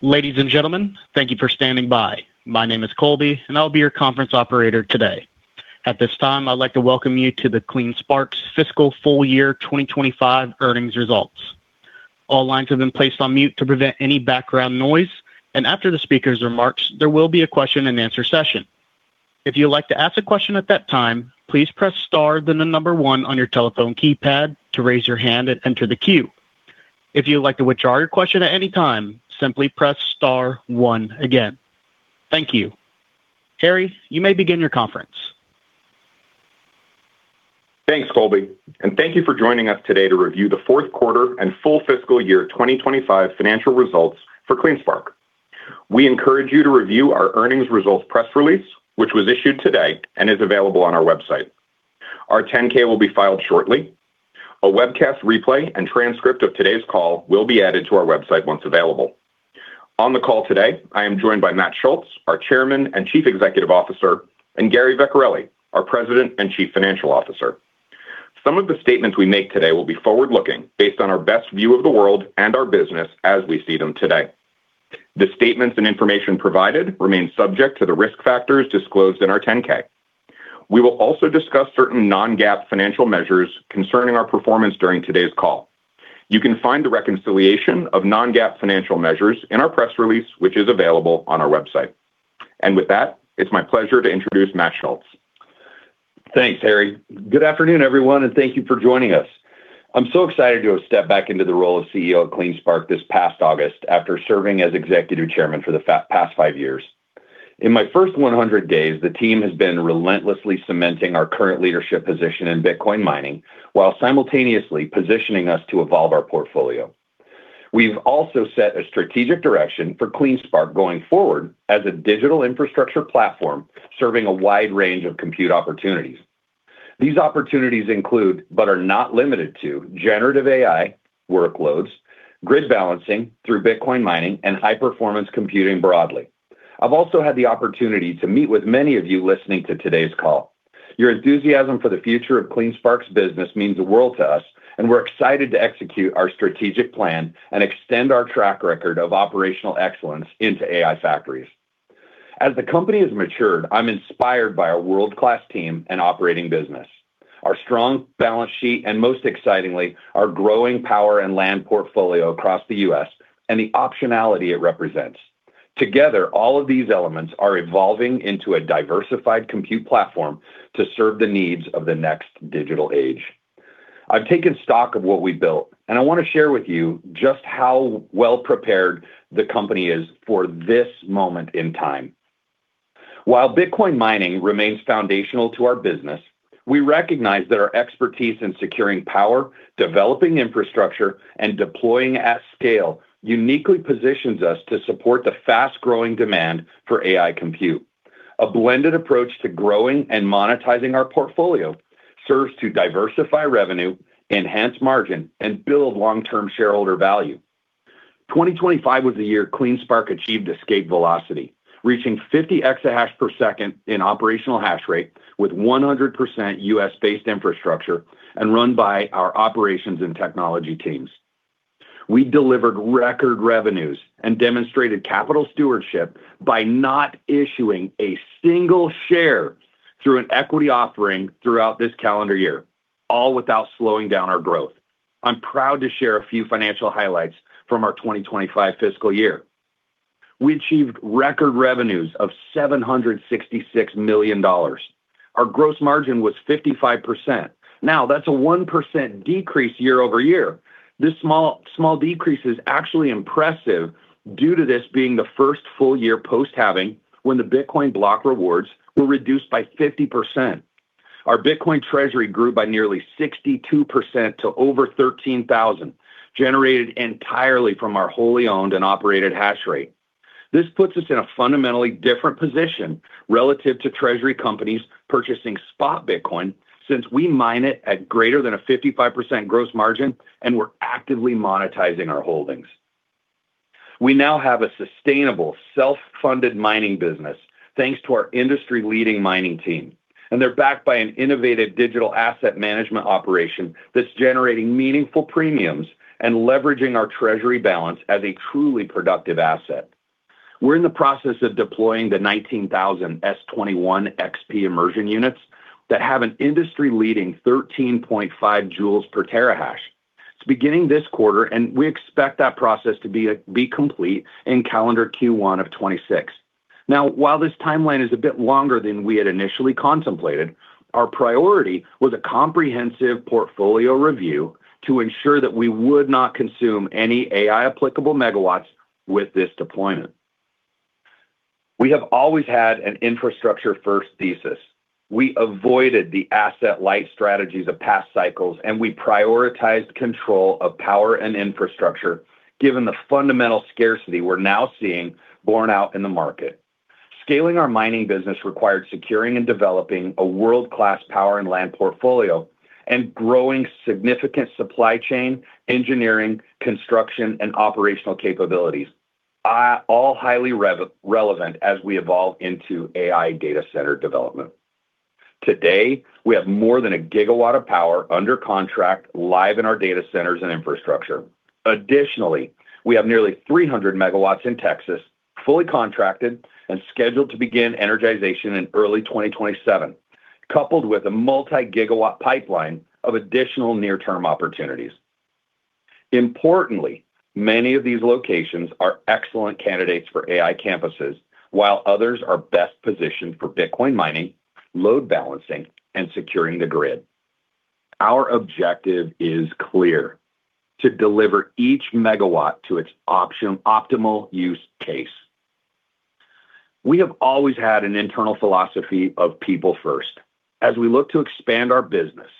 Ladies and gentlemen, thank you for standing by. My name is Colby, and I'll be your conference operator today. At this time, I'd like to welcome you to the CleanSpark's fiscal full year 2025 earnings results. All lines have been placed on mute to prevent any background noise, and after the speaker's remarks, there will be a question-and-answer session. If you'd like to ask a question at that time, please press star then the number one on your telephone keypad to raise your hand and enter the queue. If you'd like to withdraw your question at any time, simply press star one again. Thank you. Harry, you may begin your conference. Thanks, Colby, and thank you for joining us today to review the fourth quarter and full fiscal year 2025 financial results for CleanSpark. We encourage you to review our earnings results press release, which was issued today and is available on our website. Our 10-K will be filed shortly. A webcast replay and transcript of today's call will be added to our website once available. On the call today, I am joined by `Mike Schultz, our Chairman and Chief Executive Officer and Gary Vecchiarelli, our President and Chief Financial Officer. Some of the statements we make today will be forward-looking based on our best view of the world and our business as we see them today. The statements and information provided remain subject to the risk factors disclosed in our 10-K. We will also discuss certain non-GAAP financial measures concerning our performance during today's call. You can find the reconciliation of non-GAAP financial measures in our press release, which is available on our website. It is my pleasure to introduce Matt Schultz. Thanks, Harry. Good afternoon, everyone, and thank you for joining us. I'm so excited to have stepped back into the role of CEO of CleanSpark this past August after serving as Executive Chairman for the past five years. In my first 100 days, the team has been relentlessly cementing our current leadership position in Bitcoin mining while simultaneously positioning us to evolve our portfolio. We've also set a strategic direction for CleanSpark going forward as a digital infrastructure platform serving a wide range of compute opportunities. These opportunities include, but are not limited to, generative AI, workloads, grid balancing through Bitcoin mining, and high-performance computing broadly. I've also had the opportunity to meet with many of you listening to today's call. Your enthusiasm for the future of CleanSpark's business means the world to us, and we're excited to execute our strategic plan and extend our track record of operational excellence into AI factories. As the company has matured, I'm inspired by our world-class team and operating business, our strong balance sheet, and most excitingly, our growing power and land portfolio across the U.S. and the optionality it represents. Together, all of these elements are evolving into a diversified compute platform to serve the needs of the next digital age. I've taken stock of what we've built, and I want to share with you just how well-prepared the company is for this moment in time. While Bitcoin mining remains foundational to our business, we recognize that our expertise in securing power, developing infrastructure, and deploying at scale uniquely positions us to support the fast-growing demand for AI compute. A blended approach to growing and monetizing our portfolio serves to diversify revenue, enhance margin, and build long-term shareholder value. 2025 was the year CleanSpark achieved escape velocity, reaching 50 exahash per second in operational hash rate with 100% U.S.-based infrastructure and run by our operations and technology teams. We delivered record revenues and demonstrated capital stewardship by not issuing a single share through an equity offering throughout this calendar year, all without slowing down our growth. I'm proud to share a few financial highlights from our 2025 fiscal year. We achieved record revenues of $766 million. Our gross margin was 55%. Now, that's a 1% decrease year-over-year. This small decrease is actually impressive due to this being the first full year post-halving when the Bitcoin block rewards were reduced by 50%. Our Bitcoin treasury grew by nearly 62% to over 13,000, generated entirely from our wholly owned and operated hash rate. This puts us in a fundamentally different position relative to treasury companies purchasing spot Bitcoin since we mine it at greater than a 55% gross margin and we're actively monetizing our holdings. We now have a sustainable self-funded mining business thanks to our industry-leading mining team, and they're backed by an innovative digital asset management operation that's generating meaningful premiums and leveraging our treasury balance as a truly productive asset. We're in the process of deploying the 19,000 S21 XP immersion units that have an industry-leading 13.5 J per terahash. It's beginning this quarter, and we expect that process to be complete in calendar Q1 of 2026. Now, while this timeline is a bit longer than we had initially contemplated, our priority was a comprehensive portfolio review to ensure that we would not consume any AI-applicable megawatts with this deployment. We have always had an infrastructure-first thesis. We avoided the asset-light strategies of past cycles, and we prioritized control of power and infrastructure given the fundamental scarcity we're now seeing borne out in the market. Scaling our mining business required securing and developing a world-class power and land portfolio and growing significant supply chain, engineering, construction, and operational capabilities, all highly relevant as we evolve into AI data center development. Today, we have more than a gigawatt of power under contract live in our data centers and infrastructure. Additionally, we have nearly 300 MW in Texas fully contracted and scheduled to begin energization in early 2027, coupled with a multi-gigawatt pipeline of additional near-term opportunities. Importantly, many of these locations are excellent candidates for AI campuses, while others are best positioned for Bitcoin mining, load balancing, and securing the grid. Our objective is clear: to deliver each megawatt to its optimal use case. We have always had an internal philosophy of people first. As we look to expand our business,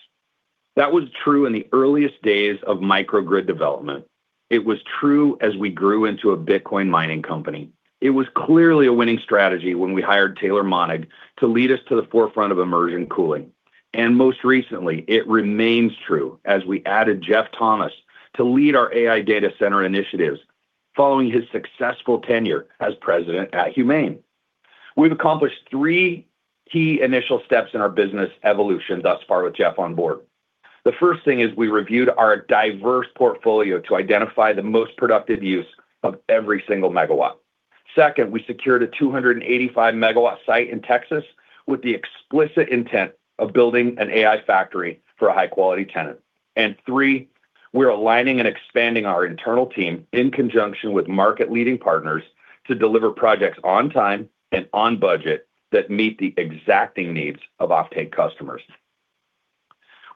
that was true in the earliest days of microgrid development. It was true as we grew into a Bitcoin mining company. It was clearly a winning strategy when we hired Taylor Monnig to lead us to the forefront of immersion cooling. Most recently, it remains true as we added Jeff Thomas to lead our AI data center initiatives following his successful tenure as president at Humain. We have accomplished three key initial steps in our business evolution thus far with Jeff on board. The first thing is we reviewed our diverse portfolio to identify the most productive use of every single megawatt. Second, we secured a 285 MW site in Texas with the explicit intent of building an AI factory for a high-quality tenant. Third, we're aligning and expanding our internal team in conjunction with market-leading partners to deliver projects on time and on budget that meet the exacting needs of offtake customers.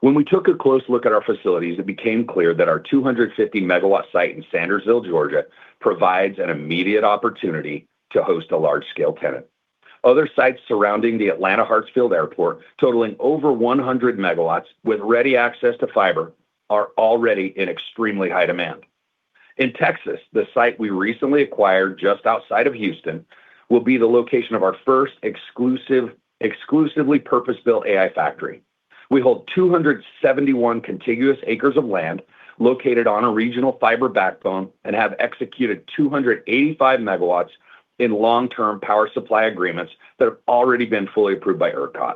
When we took a close look at our facilities, it became clear that our 250 MW site in Sandersville, Georgia, provides an immediate opportunity to host a large-scale tenant. Other sites surrounding the Atlanta Hartsfield Airport, totaling over 100 MW with ready access to fiber, are already in extremely high demand. In Texas, the site we recently acquired just outside of Houston will be the location of our first exclusively purpose-built AI factory. We hold 271 contiguous acres of land located on a regional fiber backbone and have executed 285 MW in long-term power supply agreements that have already been fully approved by ERCOT.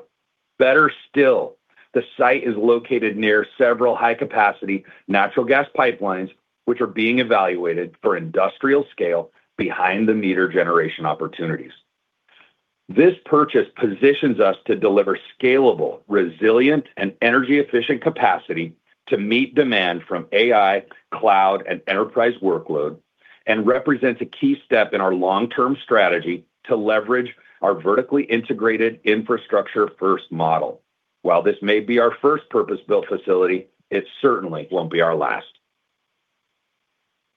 Better still, the site is located near several high-capacity natural gas pipelines, which are being evaluated for industrial scale behind-the-meter generation opportunities. This purchase positions us to deliver scalable, resilient, and energy-efficient capacity to meet demand from AI, cloud, and enterprise workload, and represents a key step in our long-term strategy to leverage our vertically integrated infrastructure-first model. While this may be our first purpose-built facility, it certainly will not be our last.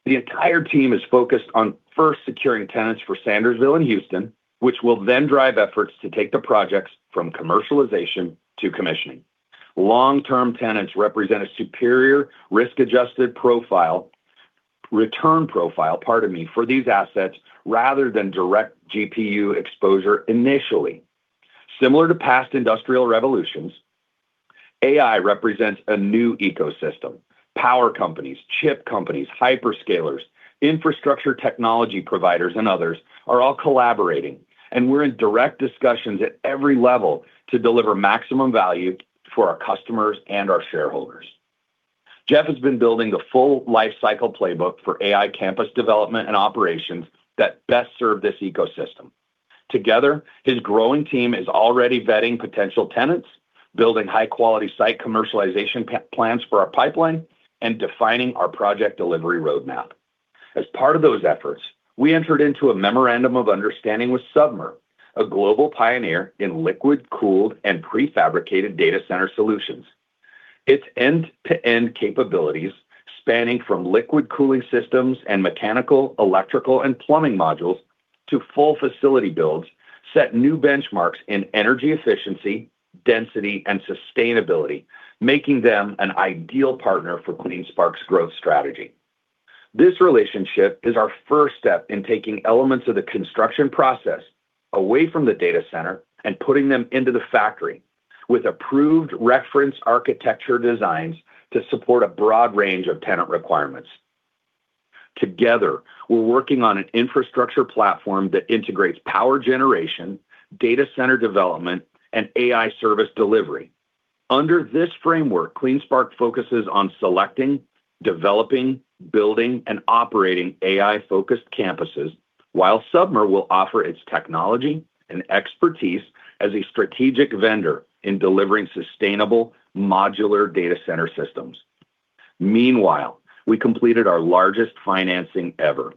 The entire team is focused on first securing tenants for Sandersville and Houston, which will then drive efforts to take the projects from commercialization to commissioning. Long-term tenants represent a superior risk-adjusted return profile for these assets rather than direct GPU exposure initially. Similar to past industrial revolutions, AI represents a new ecosystem. Power companies, chip companies, hyperscalers, infrastructure technology providers, and others are all collaborating, and we're in direct discussions at every level to deliver maximum value for our customers and our shareholders. Jeff has been building the full lifecycle playbook for AI campus development and operations that best serve this ecosystem. Together, his growing team is already vetting potential tenants, building high-quality site commercialization plans for our pipeline, and defining our project delivery roadmap. As part of those efforts, we entered into a memorandum of understanding with Submer, a global pioneer in liquid-cooled and prefabricated data center solutions. Its end-to-end capabilities, spanning from liquid cooling systems and mechanical, electrical, and plumbing modules to full facility builds, set new benchmarks in energy efficiency, density, and sustainability, making them an ideal partner for CleanSpark's growth strategy. This relationship is our first step in taking elements of the construction process away from the data center and putting them into the factory with approved reference architecture designs to support a broad range of tenant requirements. Together, we're working on an infrastructure platform that integrates power generation, data center development, and AI service delivery. Under this framework, CleanSpark focuses on selecting, developing, building, and operating AI-focused campuses, while Submer will offer its technology and expertise as a strategic vendor in delivering sustainable modular data center systems. Meanwhile, we completed our largest financing ever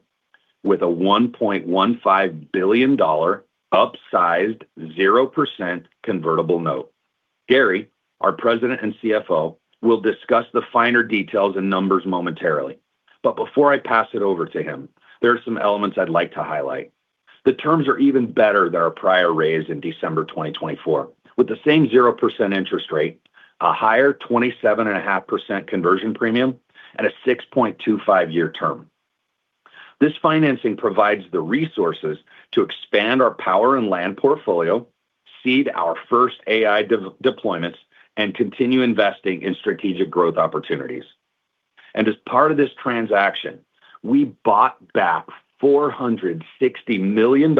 with a $1.15 billion upsized 0% convertible note. Gary, our President and CFO, will discuss the finer details and numbers momentarily. Before I pass it over to him, there are some elements I'd like to highlight. The terms are even better than our prior raise in December 2024, with the same 0% interest rate, a higher 27.5% conversion premium, and a 6.25-year term. This financing provides the resources to expand our power and land portfolio, seed our first AI deployments, and continue investing in strategic growth opportunities. As part of this transaction, we bought back $460 million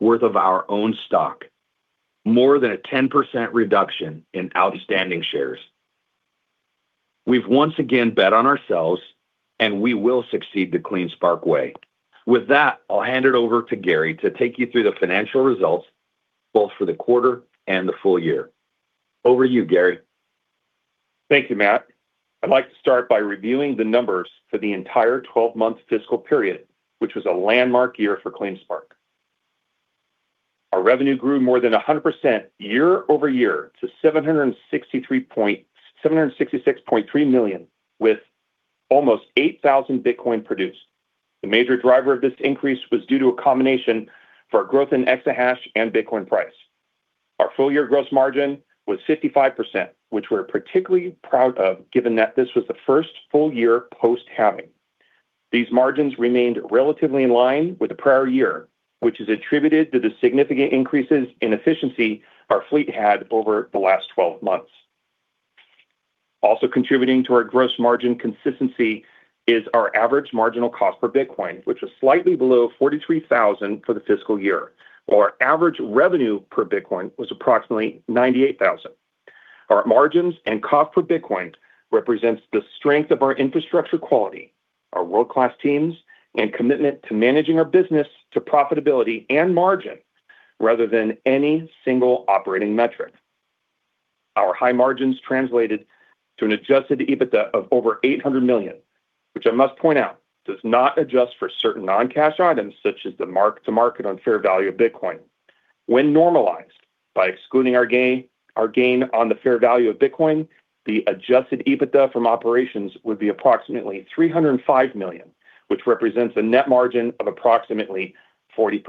worth of our own stock, more than a 10% reduction in outstanding shares. We've once again bet on ourselves, and we will succeed the CleanSpark way. With that, I'll hand it over to Gary to take you through the financial results both for the quarter and the full year. Over to you, Gary. Thank you, Matt. I'd like to start by reviewing the numbers for the entire 12-month fiscal period, which was a landmark year for CleanSpark. Our revenue grew more than 100% year-over-year to $766.3 million with almost 8,000 Bitcoin produced. The major driver of this increase was due to a combination for our growth in exahash and Bitcoin price. Our full-year gross margin was 55%, which we're particularly proud of given that this was the first full year post-halving. These margins remained relatively in line with the prior year, which is attributed to the significant increases in efficiency our fleet had over the last 12 months. Also contributing to our gross margin consistency is our average marginal cost per Bitcoin, which was slightly below $43,000 for the fiscal year, while our average revenue per Bitcoin was approximately $98,000. Our margins and cost per Bitcoin represent the strength of our infrastructure quality, our world-class teams, and commitment to managing our business to profitability and margin rather than any single operating metric. Our high margins translated to an adjusted EBITDA of over $800 million, which I must point out does not adjust for certain non-cash items such as the mark-to-market on fair value of Bitcoin. When normalized by excluding our gain on the fair value of Bitcoin, the adjusted EBITDA from operations would be approximately $305 million, which represents a net margin of approximately 40%.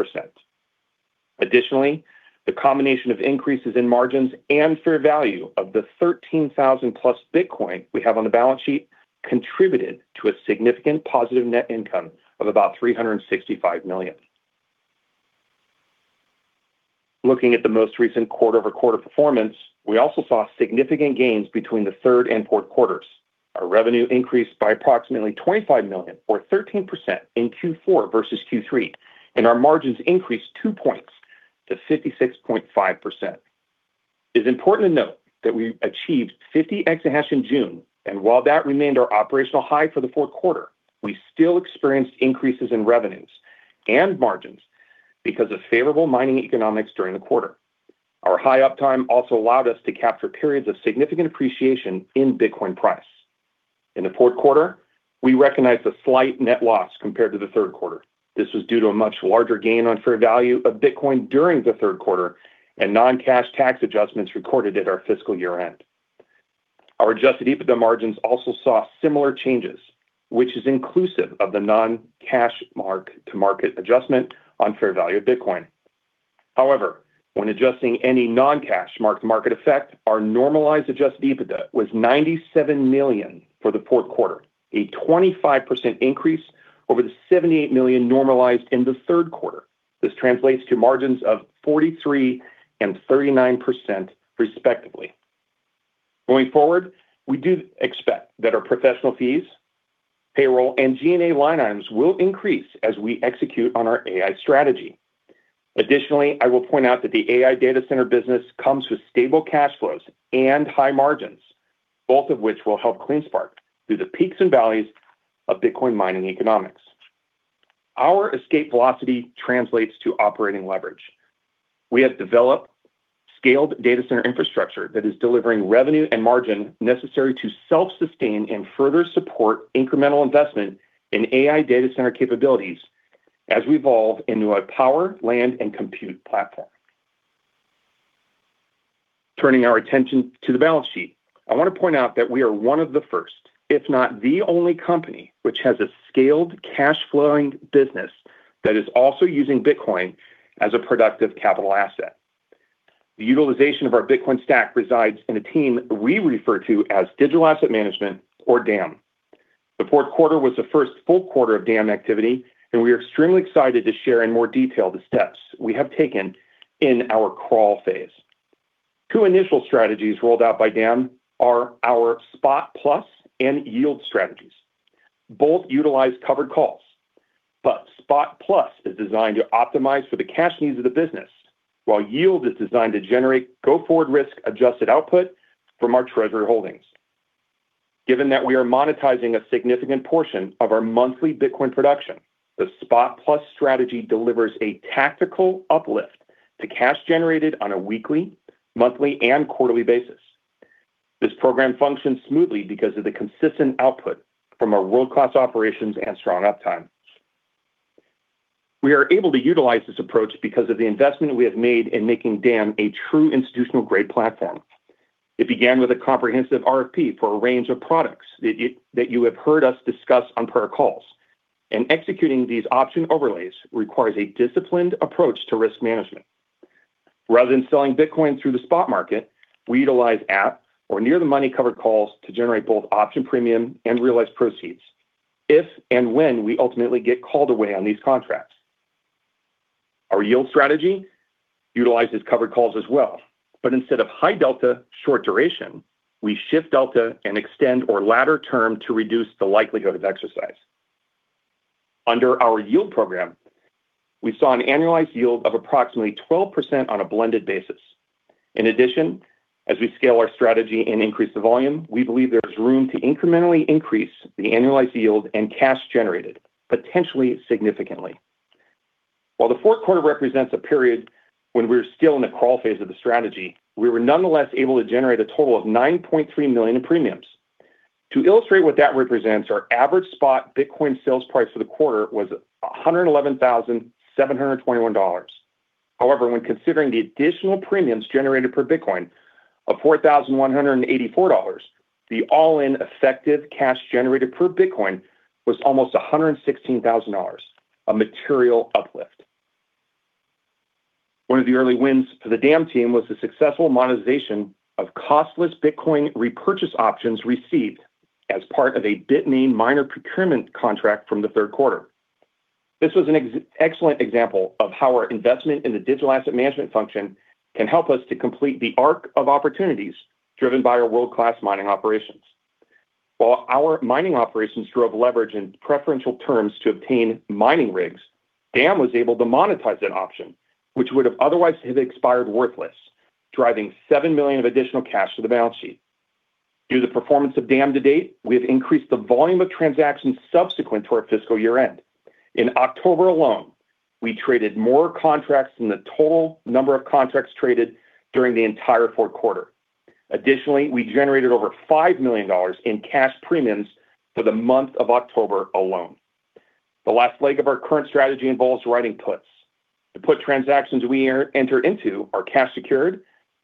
Additionally, the combination of increases in margins and fair value of the 13,000+ Bitcoin we have on the balance sheet contributed to a significant positive net income of about $365 million. Looking at the most recent quarter-over-quarter performance, we also saw significant gains between the third and fourth quarters. Our revenue increased by approximately $25 million, or 13%, in Q4 versus Q3, and our margins increased two points to 56.5%. It's important to note that we achieved 50 exahash in June, and while that remained our operational high for the fourth quarter, we still experienced increases in revenues and margins because of favorable mining economics during the quarter. Our high uptime also allowed us to capture periods of significant appreciation in Bitcoin price. In the fourth quarter, we recognized a slight net loss compared to the third quarter. This was due to a much larger gain on fair value of Bitcoin during the third quarter and non-cash tax adjustments recorded at our fiscal year end. Our adjusted EBITDA margins also saw similar changes, which is inclusive of the non-cash mark-to-market adjustment on fair value of Bitcoin. However, when adjusting any non-cash mark-to-market effect, our normalized adjusted EBITDA was $97 million for the fourth quarter, a 25% increase over the $78 million normalized in the third quarter. This translates to margins of 43% and 39%, respectively. Going forward, we do expect that our professional fees, payroll, and G&A line items will increase as we execute on our AI strategy. Additionally, I will point out that the AI data center business comes with stable cash flows and high margins, both of which will help CleanSpark through the peaks and valleys of Bitcoin mining economics. Our escape velocity translates to operating leverage. We have developed scaled data center infrastructure that is delivering revenue and margin necessary to self-sustain and further support incremental investment in AI data center capabilities as we evolve into a power, land, and compute platform. Turning our attention to the balance sheet, I want to point out that we are one of the first, if not the only company, which has a scaled cash-flowing business that is also using Bitcoin as a productive capital asset. The utilization of our Bitcoin stack resides in a team we refer to as Digital Asset Management, or DAM. The fourth quarter was the first full quarter of DAM activity, and we are extremely excited to share in more detail the steps we have taken in our crawl phase. Two initial strategies rolled out by DAM are our Spot+ and yield strategies. Both utilize covered calls, but Spot+ is designed to optimize for the cash needs of the business, while yield is designed to generate go-forward risk-adjusted output from our treasury holdings. Given that we are monetizing a significant portion of our monthly Bitcoin production, the Spot+ strategy delivers a tactical uplift to cash generated on a weekly, monthly, and quarterly basis. This program functions smoothly because of the consistent output from our world-class operations and strong uptime. We are able to utilize this approach because of the investment we have made in making DAM a true institutional-grade platform. It began with a comprehensive RFP for a range of products that you have heard us discuss on prior calls, and executing these option overlays requires a disciplined approach to risk management. Rather than selling Bitcoin through the spot market, we utilize at or near-the-money covered calls to generate both option premium and realized proceeds if and when we ultimately get called away on these contracts. Our yield strategy utilizes covered calls as well, but instead of high delta short duration, we shift delta and extend our ladder term to reduce the likelihood of exercise. Under our yield program, we saw an annualized yield of approximately 12% on a blended basis. In addition, as we scale our strategy and increase the volume, we believe there is room to incrementally increase the annualized yield and cash generated potentially significantly. While the fourth quarter represents a period when we were still in the crawl phase of the strategy, we were nonetheless able to generate a total of $9.3 million in premiums. To illustrate what that represents, our average spot Bitcoin sales price for the quarter was $111,721. However, when considering the additional premiums generated per Bitcoin of $4,184, the all-in effective cash generated per Bitcoin was almost $116,000, a material uplift. One of the early wins for the DAM team was the successful monetization of costless Bitcoin repurchase options received as part of a Bitmain miner procurement contract from the third quarter. This was an excellent example of how our investment in the Digital Asset Management function can help us to complete the arc of opportunities driven by our world-class mining operations. While our mining operations drove leverage in preferential terms to obtain mining rigs, DAM was able to monetize that option, which would have otherwise expired worthless, driving $7 million of additional cash to the balance sheet. Due to the performance of DAM to date, we have increased the volume of transactions subsequent to our fiscal year end. In October alone, we traded more contracts than the total number of contracts traded during the entire fourth quarter. Additionally, we generated over $5 million in cash premiums for the month of October alone. The last leg of our current strategy involves writing puts. The put transactions we enter into are cash secured,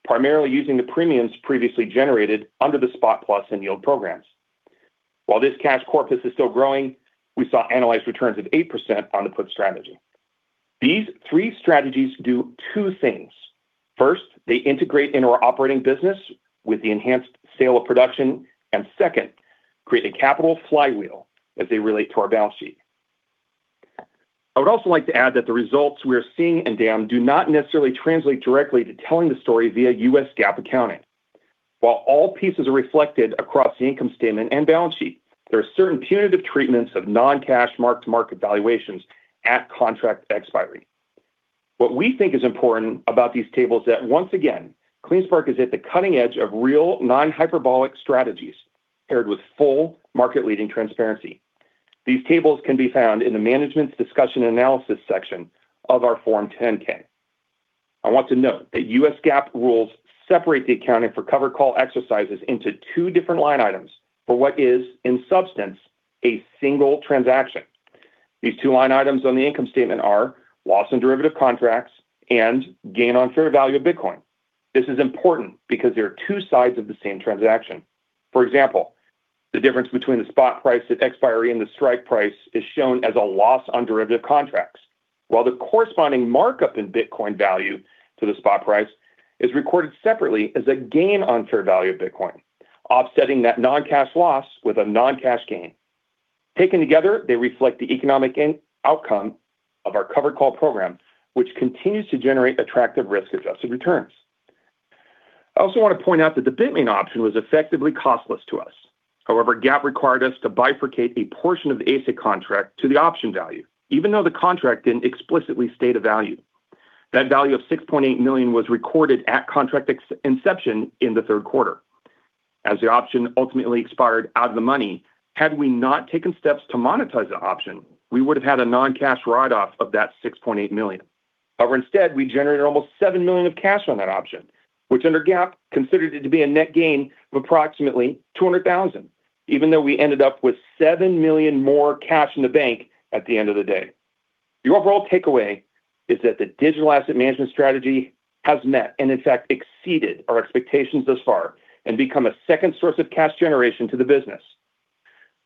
primarily using the premiums previously generated under the Spot+ and yield programs. While this cash corpus is still growing, we saw annualized returns of 8% on the put strategy. These three strategies do two things. First, they integrate in our operating business with the enhanced sale of production, and second, create a capital flywheel as they relate to our balance sheet. I would also like to add that the results we are seeing in DAM do not necessarily translate directly to telling the story via U.S. GAAP accounting. While all pieces are reflected across the income statement and balance sheet, there are certain punitive treatments of non-cash mark-to-market valuations at contract expiry. What we think is important about these tables is that, once again, CleanSpark is at the cutting edge of real non-hyperbolic strategies paired with full market-leading transparency. These tables can be found in the management's discussion analysis section of our Form 10-K. I want to note that U.S. GAAP rules separate the accounting for covered call exercises into two different line items for what is, in substance, a single transaction. These two line items on the income statement are loss on derivative contracts and gain on fair value of Bitcoin. This is important because there are two sides of the same transaction. For example, the difference between the spot price at expiry and the strike price is shown as a loss on derivative contracts, while the corresponding markup in Bitcoin value to the spot price is recorded separately as a gain on fair value of Bitcoin, offsetting that non-cash loss with a non-cash gain. Taken together, they reflect the economic outcome of our covered call program, which continues to generate attractive risk-adjusted returns. I also want to point out that the Bitmain option was effectively costless to us. However, GAAP required us to bifurcate a portion of the ASIC contract to the option value, even though the contract did not explicitly state a value. That value of $6.8 million was recorded at contract inception in the third quarter. As the option ultimately expired out of the money, had we not taken steps to monetize the option, we would have had a non-cash write-off of that $6.8 million. However, instead, we generated almost $7 million of cash on that option, which under GAAP considered it to be a net gain of approximately $200,000, even though we ended up with $7 million more cash in the bank at the end of the day. The overall takeaway is that the Digital Asset Management strategy has met and, in fact, exceeded our expectations thus far and become a second source of cash generation to the business.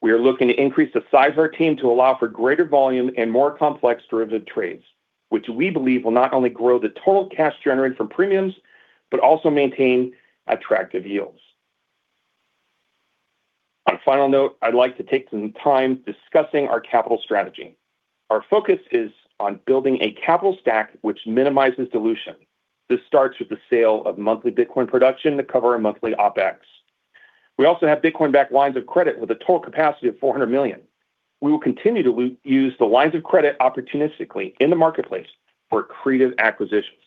We are looking to increase the size of our team to allow for greater volume and more complex derivative trades, which we believe will not only grow the total cash generated from premiums but also maintain attractive yields. On a final note, I'd like to take some time discussing our capital strategy. Our focus is on building a capital stack which minimizes dilution. This starts with the sale of monthly Bitcoin production to cover our monthly OpEx. We also have Bitcoin-backed lines of credit with a total capacity of $400 million. We will continue to use the lines of credit opportunistically in the marketplace for creative acquisitions.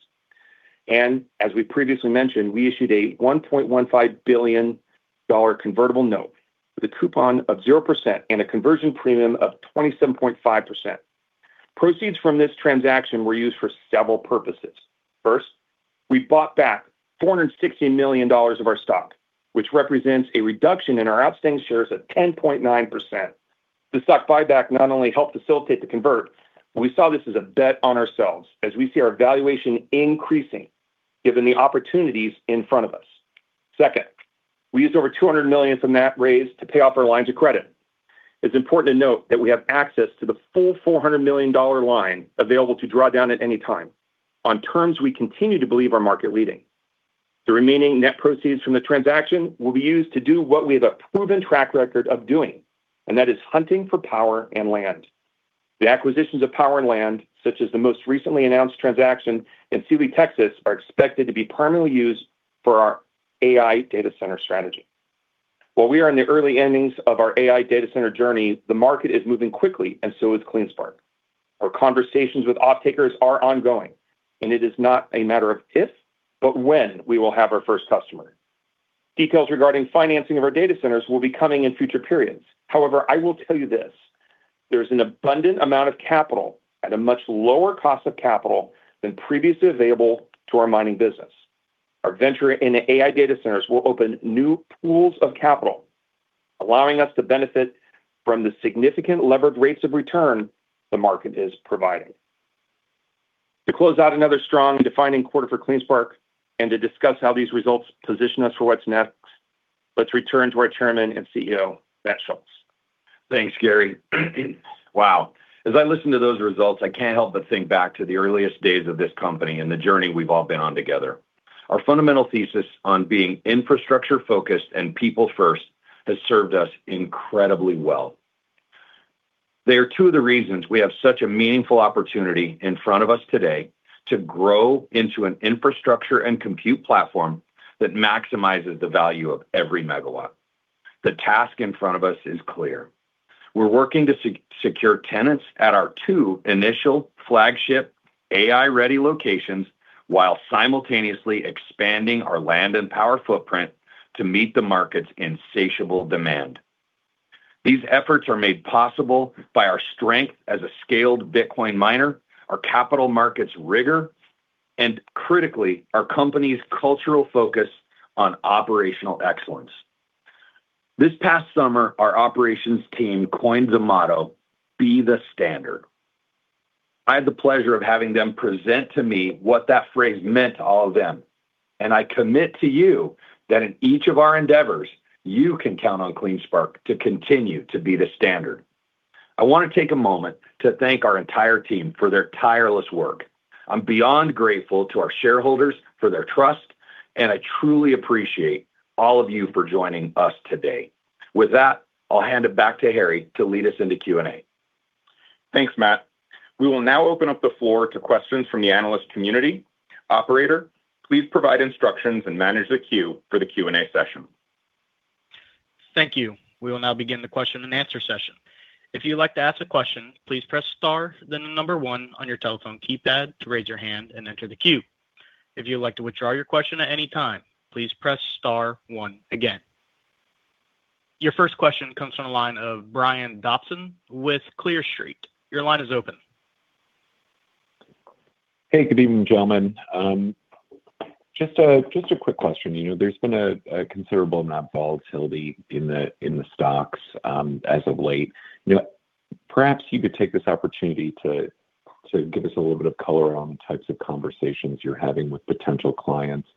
As we previously mentioned, we issued a $1.15 billion convertible note with a coupon of 0% and a conversion premium of 27.5%. Proceeds from this transaction were used for several purposes. First, we bought back $460 million of our stock, which represents a reduction in our outstanding shares of 10.9%. The stock buyback not only helped facilitate the convert, but we saw this as a bet on ourselves as we see our valuation increasing given the opportunities in front of us. Second, we used over $200 million from that raise to pay off our lines of credit. It's important to note that we have access to the full $400 million line available to draw down at any time on terms we continue to believe are market-leading. The remaining net proceeds from the transaction will be used to do what we have a proven track record of doing, and that is hunting for power and land. The acquisitions of power and land, such as the most recently announced transaction in Sealy, Texas, are expected to be permanently used for our AI data center strategy. While we are in the early innings of our AI data center journey, the market is moving quickly, and so is CleanSpark. Our conversations with off-takers are ongoing, and it is not a matter of if, but when we will have our first customer. Details regarding financing of our data centers will be coming in future periods. However, I will tell you this: there is an abundant amount of capital at a much lower cost of capital than previously available to our mining business. Our venture in AI data centers will open new pools of capital, allowing us to benefit from the significant levered rates of return the market is providing. To close out another strong and defining quarter for CleanSpark and to discuss how these results position us for what's next, let's return to our Chairman and CEO, Matt Schultz. Thanks, Gary. Wow. As I listen to those results, I can't help but think back to the earliest days of this company and the journey we've all been on together. Our fundamental thesis on being infrastructure-focused and people-first has served us incredibly well. They are two of the reasons we have such a meaningful opportunity in front of us today to grow into an infrastructure and compute platform that maximizes the value of every megawatt. The task in front of us is clear. We're working to secure tenants at our two initial flagship AI-ready locations while simultaneously expanding our land and power footprint to meet the market's insatiable demand. These efforts are made possible by our strength as a scaled Bitcoin miner, our capital markets rigor, and, critically, our company's cultural focus on operational excellence. This past summer, our operations team coined the motto, "Be the standard." I had the pleasure of having them present to me what that phrase meant to all of them, and I commit to you that in each of our endeavors, you can count on CleanSpark to continue to be the standard. I want to take a moment to thank our entire team for their tireless work. I'm beyond grateful to our shareholders for their trust, and I truly appreciate all of you for joining us today. With that, I'll hand it back to Harry to lead us into Q&A. Thanks, Matt. We will now open up the floor to questions from the analyst community. Operator, please provide instructions and manage the queue for the Q&A session. Thank you. We will now begin the question and answer session. If you'd like to ask a question, please press star, then the number one on your telephone keypad to raise your hand and enter the queue. If you'd like to withdraw your question at any time, please press star, one again. Your first question comes from a line of Brian Dobson with Clear Street. Your line is open. Hey, good evening, gentlemen. Just a quick question. There's been a considerable amount of volatility in the stocks as of late. Perhaps you could take this opportunity to give us a little bit of color on the types of conversations you're having with potential clients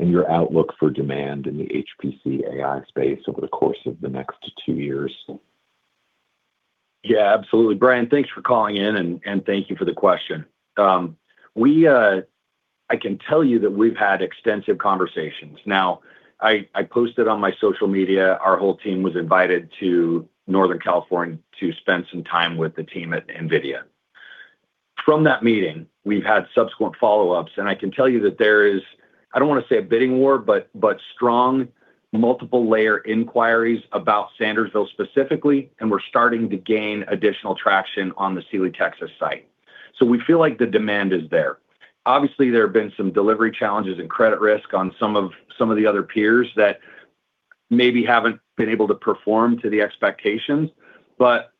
and your outlook for demand in the HPC-AI space over the course of the next two years. Yeah, absolutely. Brian, thanks for calling in, and thank you for the question. I can tell you that we've had extensive conversations. Now, I posted on my social media, our whole team was invited to Northern California to spend some time with the team at NVIDIA. From that meeting, we've had subsequent follow-ups, and I can tell you that there is, I don't want to say a bidding war, but strong multiple-layer inquiries about Sandersville specifically, and we're starting to gain additional traction on the Sealy, Texas site. We feel like the demand is there. Obviously, there have been some delivery challenges and credit risk on some of the other peers that maybe haven't been able to perform to the expectations, but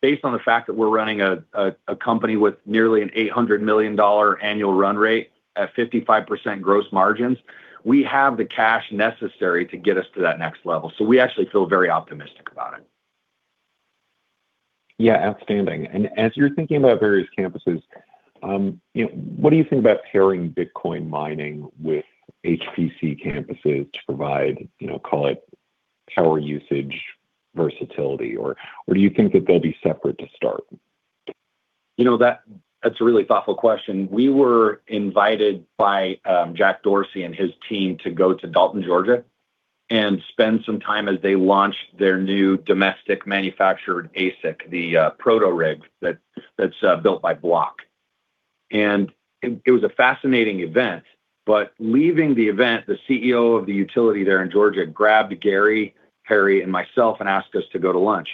based on the fact that we're running a company with nearly an $800 million annual run rate at 55% gross margins, we have the cash necessary to get us to that next level. We actually feel very optimistic about it. Yeah, outstanding. As you're thinking about various campuses, what do you think about pairing Bitcoin mining with HPC campuses to provide, call it, power usage versatility? Or do you think that they'll be separate to start? That's a really thoughtful question. We were invited by Jack Dorsey and his team to go to Dalton, Georgia, and spend some time as they launched their new domestic manufactured ASIC, the Proto Rig that's built by Block. It was a fascinating event, but leaving the event, the CEO of the utility there in Georgia grabbed Gary, Harry, and myself and asked us to go to lunch.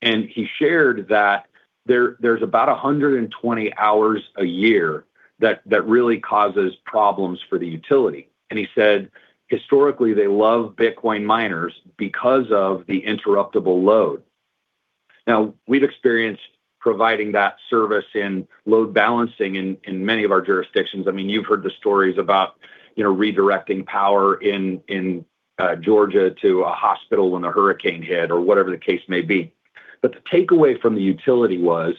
He shared that there's about 120 hours a year that really causes problems for the utility. He said, historically, they love Bitcoin miners because of the interruptible load. Now, we've experienced providing that service in load balancing in many of our jurisdictions. I mean, you've heard the stories about redirecting power in Georgia to a hospital when the hurricane hit or whatever the case may be. The takeaway from the utility was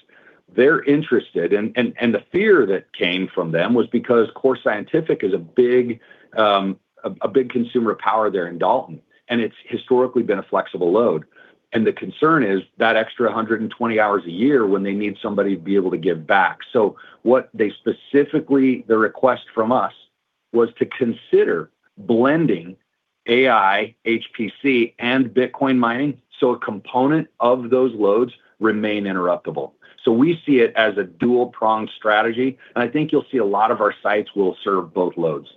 they're interested, and the fear that came from them was because Core Scientific is a big consumer of power there in Dalton, and it's historically been a flexible load. The concern is that extra 120 hours a year when they need somebody to be able to give back. What they specifically, the request from us, was to consider blending AI, HPC, and Bitcoin mining so a component of those loads remain interruptible. We see it as a dual-pronged strategy, and I think you'll see a lot of our sites will serve both loads.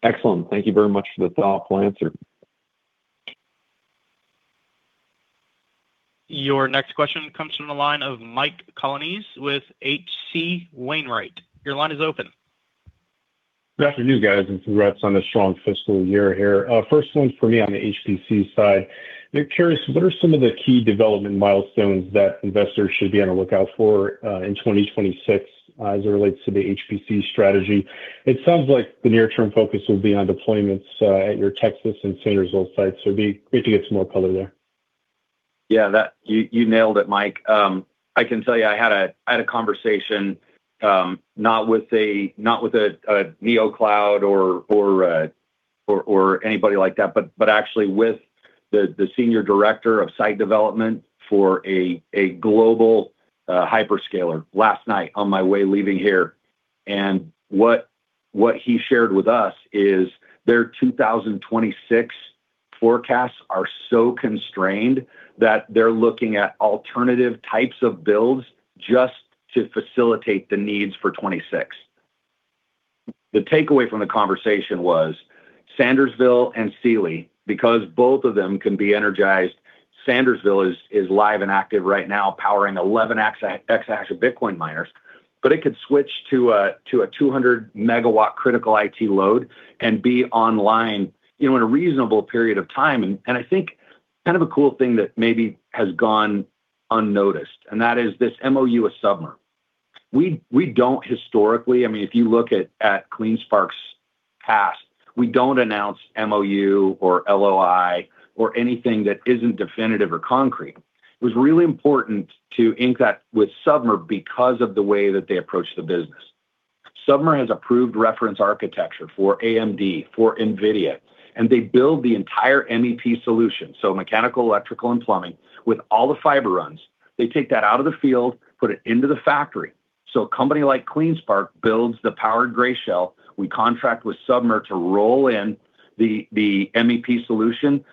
Excellent. Thank you very much for the thoughtful answer. Your next question comes from the line of Mike Colonnese with H.C. Wainwright. Your line is open. Good afternoon, guys, and congrats on a strong fiscal year here. First one for me on the HPC side. I'm curious, what are some of the key development milestones that investors should be on the lookout for in 2026 as it relates to the HPC strategy? It sounds like the near-term focus will be on deployments at your Texas and Sandersville sites, so it'd be great to get some more color there. Yeah, you nailed it, Mike. I can tell you I had a conversation not with a neocloud or anybody like that, but actually with the Senior Director of Site Development for a global hyperscaler last night on my way leaving here. What he shared with us is their 2026 forecasts are so constrained that they're looking at alternative types of builds just to facilitate the needs for 2026. The takeaway from the conversation was Sandersville and Sealy, because both of them can be energized. Sandersville is live and active right now, powering 11 exahash of Bitcoin miners, but it could switch to a 200 MW critical IT load and be online in a reasonable period of time. I think kind of a cool thing that maybe has gone unnoticed, and that is this MOU with Submer. We do not historically, I mean, if you look at CleanSpark's past, we do not announce MOU or LOI or anything that is not definitive or concrete. It was really important to ink that with Submer because of the way that they approach the business. Submer has approved reference architecture for AMD, for NVIDIA, and they build the entire MEP solution, so mechanical, electrical, and plumbing, with all the fiber runs. They take that out of the field, put it into the factory. A company like CleanSpark builds the powered gray shell. We contract with Submer to roll in the MEP solution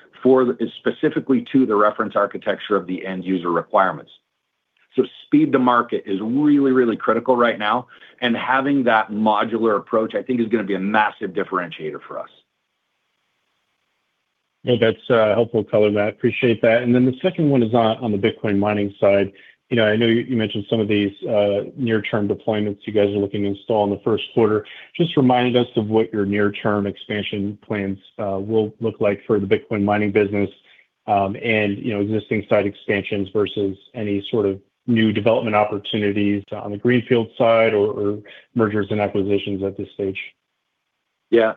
specifically to the reference architecture of the end-user requirements. Speed to market is really, really critical right now, and having that modular approach, I think, is going to be a massive differentiator for us. Yeah, that's helpful color, Matt. Appreciate that. The second one is on the Bitcoin mining side. I know you mentioned some of these near-term deployments you guys are looking to install in the first quarter. Just remind us of what your near-term expansion plans will look like for the Bitcoin mining business and existing site expansions versus any sort of new development opportunities on the greenfield side or mergers and acquisitions at this stage. Yeah.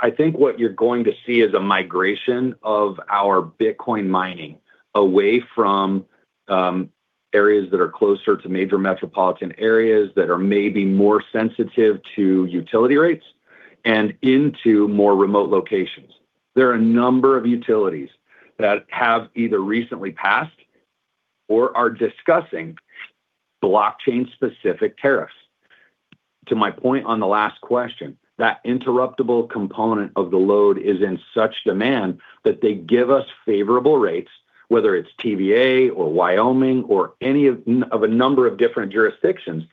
I think what you're going to see is a migration of our Bitcoin mining away from areas that are closer to major metropolitan areas that are maybe more sensitive to utility rates and into more remote locations. There are a number of utilities that have either recently passed or are discussing blockchain-specific tariffs. To my point on the last question, that interruptible component of the load is in such demand that they give us favorable rates, whether it's TVA or Wyoming or any of a number of different jurisdictions,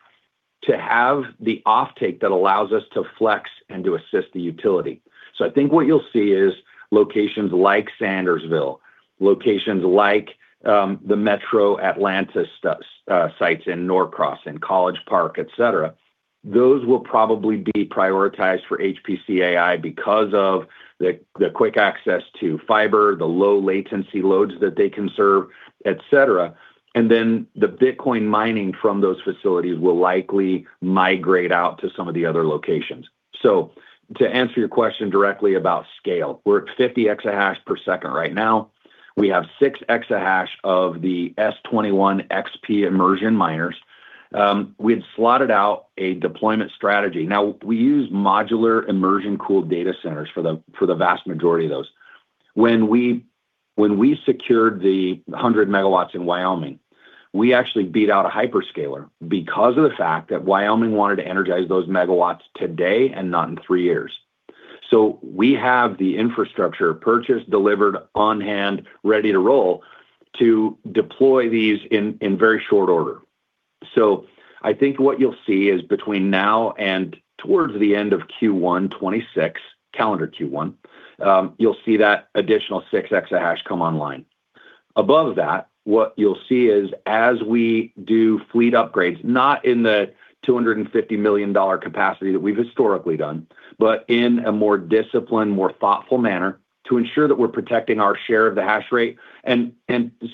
to have the offtake that allows us to flex and to assist the utility. I think what you'll see is locations like Sandersville, locations like the Metro Atlanta sites in Norcross and College Park, etc. Those will probably be prioritized for HPC-AI because of the quick access to fiber, the low-latency loads that they conserve, etc. The Bitcoin mining from those facilities will likely migrate out to some of the other locations. To answer your question directly about scale, we're at 50 exahash per second right now. We have 6 exahash of the S21 XP immersion miners. We had slotted out a deployment strategy. Now, we use modular immersion-cooled data centers for the vast majority of those. When we secured the 100 MW in Wyoming, we actually beat out a hyperscaler because of the fact that Wyoming wanted to energize those megawatts today and not in three years. We have the infrastructure purchased, delivered, on hand, ready to roll to deploy these in very short order. I think what you'll see is between now and towards the end of Q1 2026, calendar Q1, you'll see that additional 6 exahash come online. Above that, what you'll see is as we do fleet upgrades, not in the $250 million capacity that we've historically done, but in a more disciplined, more thoughtful manner to ensure that we're protecting our share of the hash rate and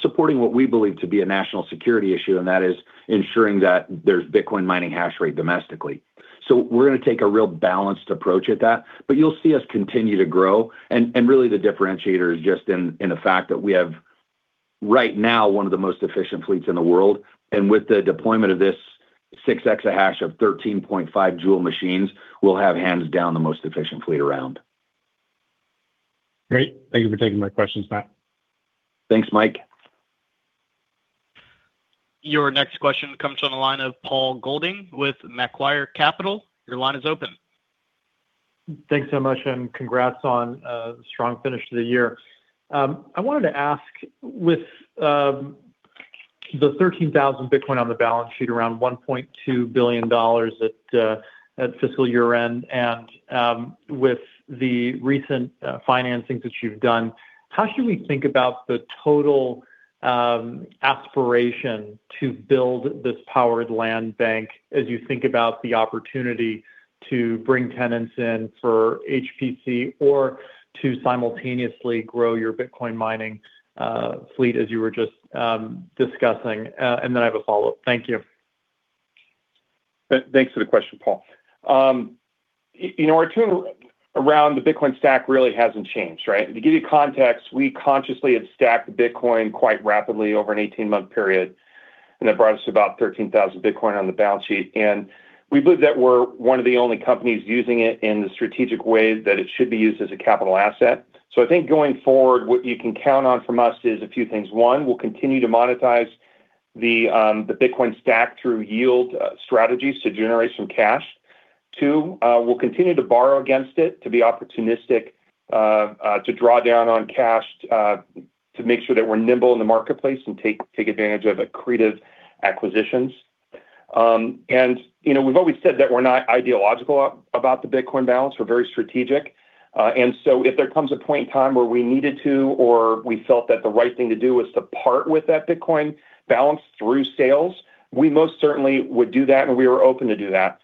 supporting what we believe to be a national security issue, and that is ensuring that there's Bitcoin mining hash rate domestically. We are going to take a real balanced approach at that, but you'll see us continue to grow. Really, the differentiator is just in the fact that we have right now one of the most efficient fleets in the world. With the deployment of this 6 exahash of 13.5 J machines, we'll have hands down the most efficient fleet around. Great. Thank you for taking my questions, Matt. Thanks, Mike. Your next question comes from the line of Paul Golding with Macquarie Capital. Your line is open. Thanks so much, and congrats on a strong finish to the year. I wanted to ask, with the 13,000 Bitcoin on the balance sheet, around $1.2 billion at fiscal year-end, and with the recent financings that you've done, how should we think about the total aspiration to build this powered land bank as you think about the opportunity to bring tenants in for HPC or to simultaneously grow your Bitcoin mining fleet, as you were just discussing? I have a follow-up. Thank you. Thanks for the question, Paul. Our turn around the Bitcoin stack really hasn't changed, right? To give you context, we consciously have stacked Bitcoin quite rapidly over an 18-month period, and that brought us about 13,000 Bitcoin on the balance sheet. We believe that we're one of the only companies using it in the strategic way that it should be used as a capital asset. I think going forward, what you can count on from us is a few things. One, we'll continue to monetize the Bitcoin stack through yield strategies to generate some cash. Two, we'll continue to borrow against it to be opportunistic, to draw down on cash to make sure that we're nimble in the marketplace and take advantage of accretive acquisitions. We've always said that we're not ideological about the Bitcoin balance. We're very strategic. If there comes a point in time where we needed to or we felt that the right thing to do was to part with that Bitcoin balance through sales, we most certainly would do that, and we were open to do that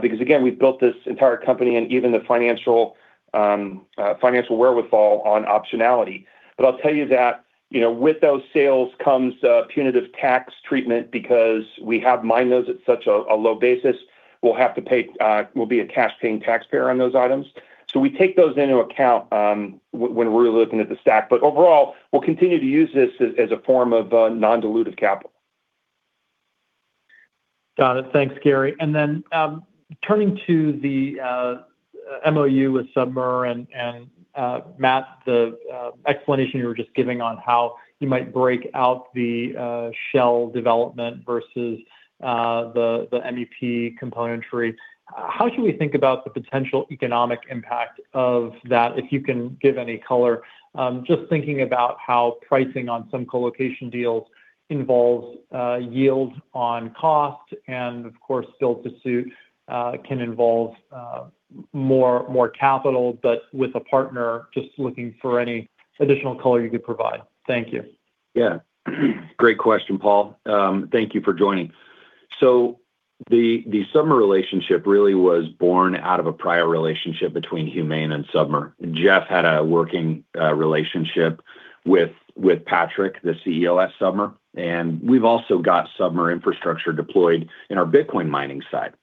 because, again, we've built this entire company and even the financial wherewithal on optionality. I'll tell you that with those sales comes punitive tax treatment because we have mined those at such a low basis. We'll have to pay, we'll be a cash-paying taxpayer on those items. We take those into account when we're looking at the stack. Overall, we'll continue to use this as a form of non-dilutive capital. Got it. Thanks, Gary. Turning to the MOU with Submer and Matt, the explanation you were just giving on how you might break out the shell development versus the MEP componentry, how should we think about the potential economic impact of that, if you can give any color? Just thinking about how pricing on some colocation deals involves yield on cost and, of course, build-to-suit can involve more capital, but with a partner, just looking for any additional color you could provide. Thank you. Great question, Paul. Thank you for joining. The Submer relationship really was born out of a prior relationship between Humain and Submer. Jeff had a working relationship with Patrick, the CEO at Submer, and we've also got Submer infrastructure deployed in our Bitcoin mining side.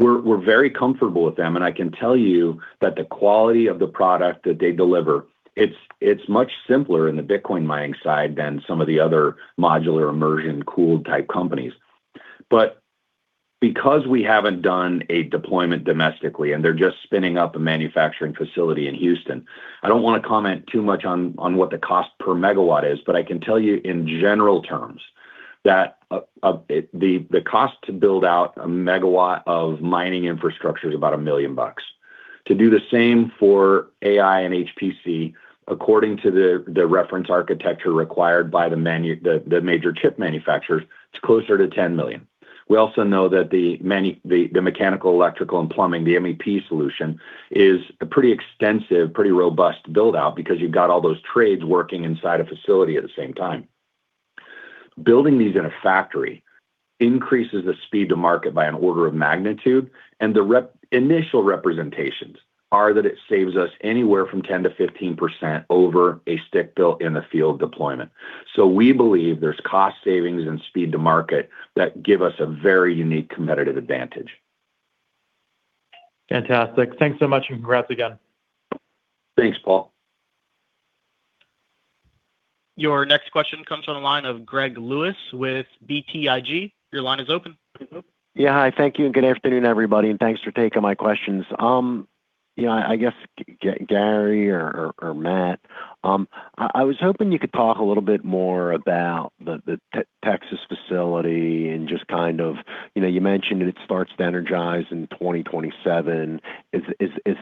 We're very comfortable with them, and I can tell you that the quality of the product that they deliver, it's much simpler in the Bitcoin mining side than some of the other modular immersion-cooled type companies. Because we haven't done a deployment domestically and they're just spinning up a manufacturing facility in Houston, I don't want to comment too much on what the cost per megawatt is, but I can tell you in general terms that the cost to build out a megawatt of mining infrastructure is about $1 million. To do the same for AI and HPC, according to the reference architecture required by the major chip manufacturers, it's closer to $10 million. We also know that the mechanical, electrical, and plumbing, the MEP solution, is a pretty extensive, pretty robust build-out because you've got all those trades working inside a facility at the same time. Building these in a factory increases the speed to market by an order of magnitude, and the initial representations are that it saves us anywhere from 10%-15% over a stick built in the field deployment. We believe there's cost savings and speed to market that give us a very unique competitive advantage. Fantastic. Thanks so much, and congrats again. Thanks, Paul. Your next question comes from the line of Greg Lewis with BTIG. Your line is open. Yeah. Hi. Thank you. Good afternoon, everybody, and thanks for taking my questions. I guess, Gary or Matt, I was hoping you could talk a little bit more about the Texas facility and just kind of you mentioned it starts to energize in 2027. Is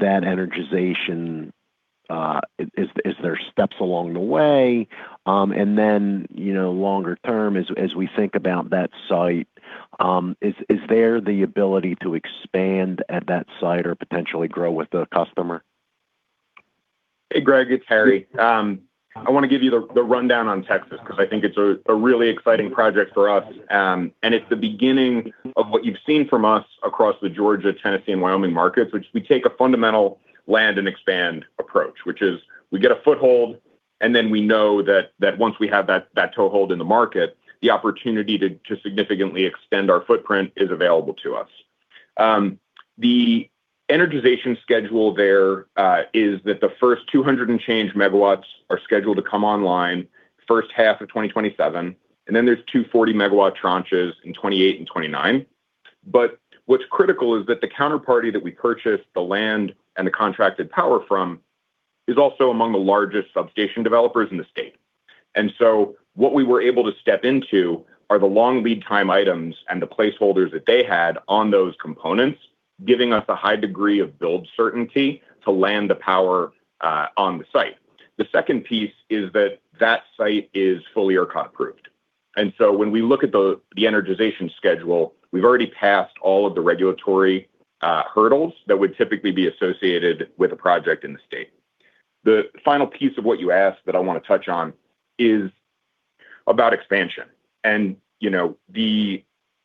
that energization—are there steps along the way? Then longer term, as we think about that site, is there the ability to expand at that site or potentially grow with the customer? Hey, Greg, it's Harry. I want to give you the rundown on Texas because I think it's a really exciting project for us, and it's the beginning of what you've seen from us across the Georgia, Tennessee, and Wyoming markets, which we take a fundamental land and expand approach, which is we get a foothold, and then we know that once we have that toehold in the market, the opportunity to significantly extend our footprint is available to us. The energization schedule there is that the first 200 and change megawatts are scheduled to come online first half of 2027, and then there's two 40 MW tranches in 2028 and 2029. What is critical is that the counterparty that we purchased the land and the contracted power from is also among the largest substation developers in the state. What we were able to step into are the long lead time items and the placeholders that they had on those components, giving us a high degree of build certainty to land the power on the site. The second piece is that that site is fully ERCOT approved. When we look at the energization schedule, we have already passed all of the regulatory hurdles that would typically be associated with a project in the state. The final piece of what you asked that I want to touch on is about expansion.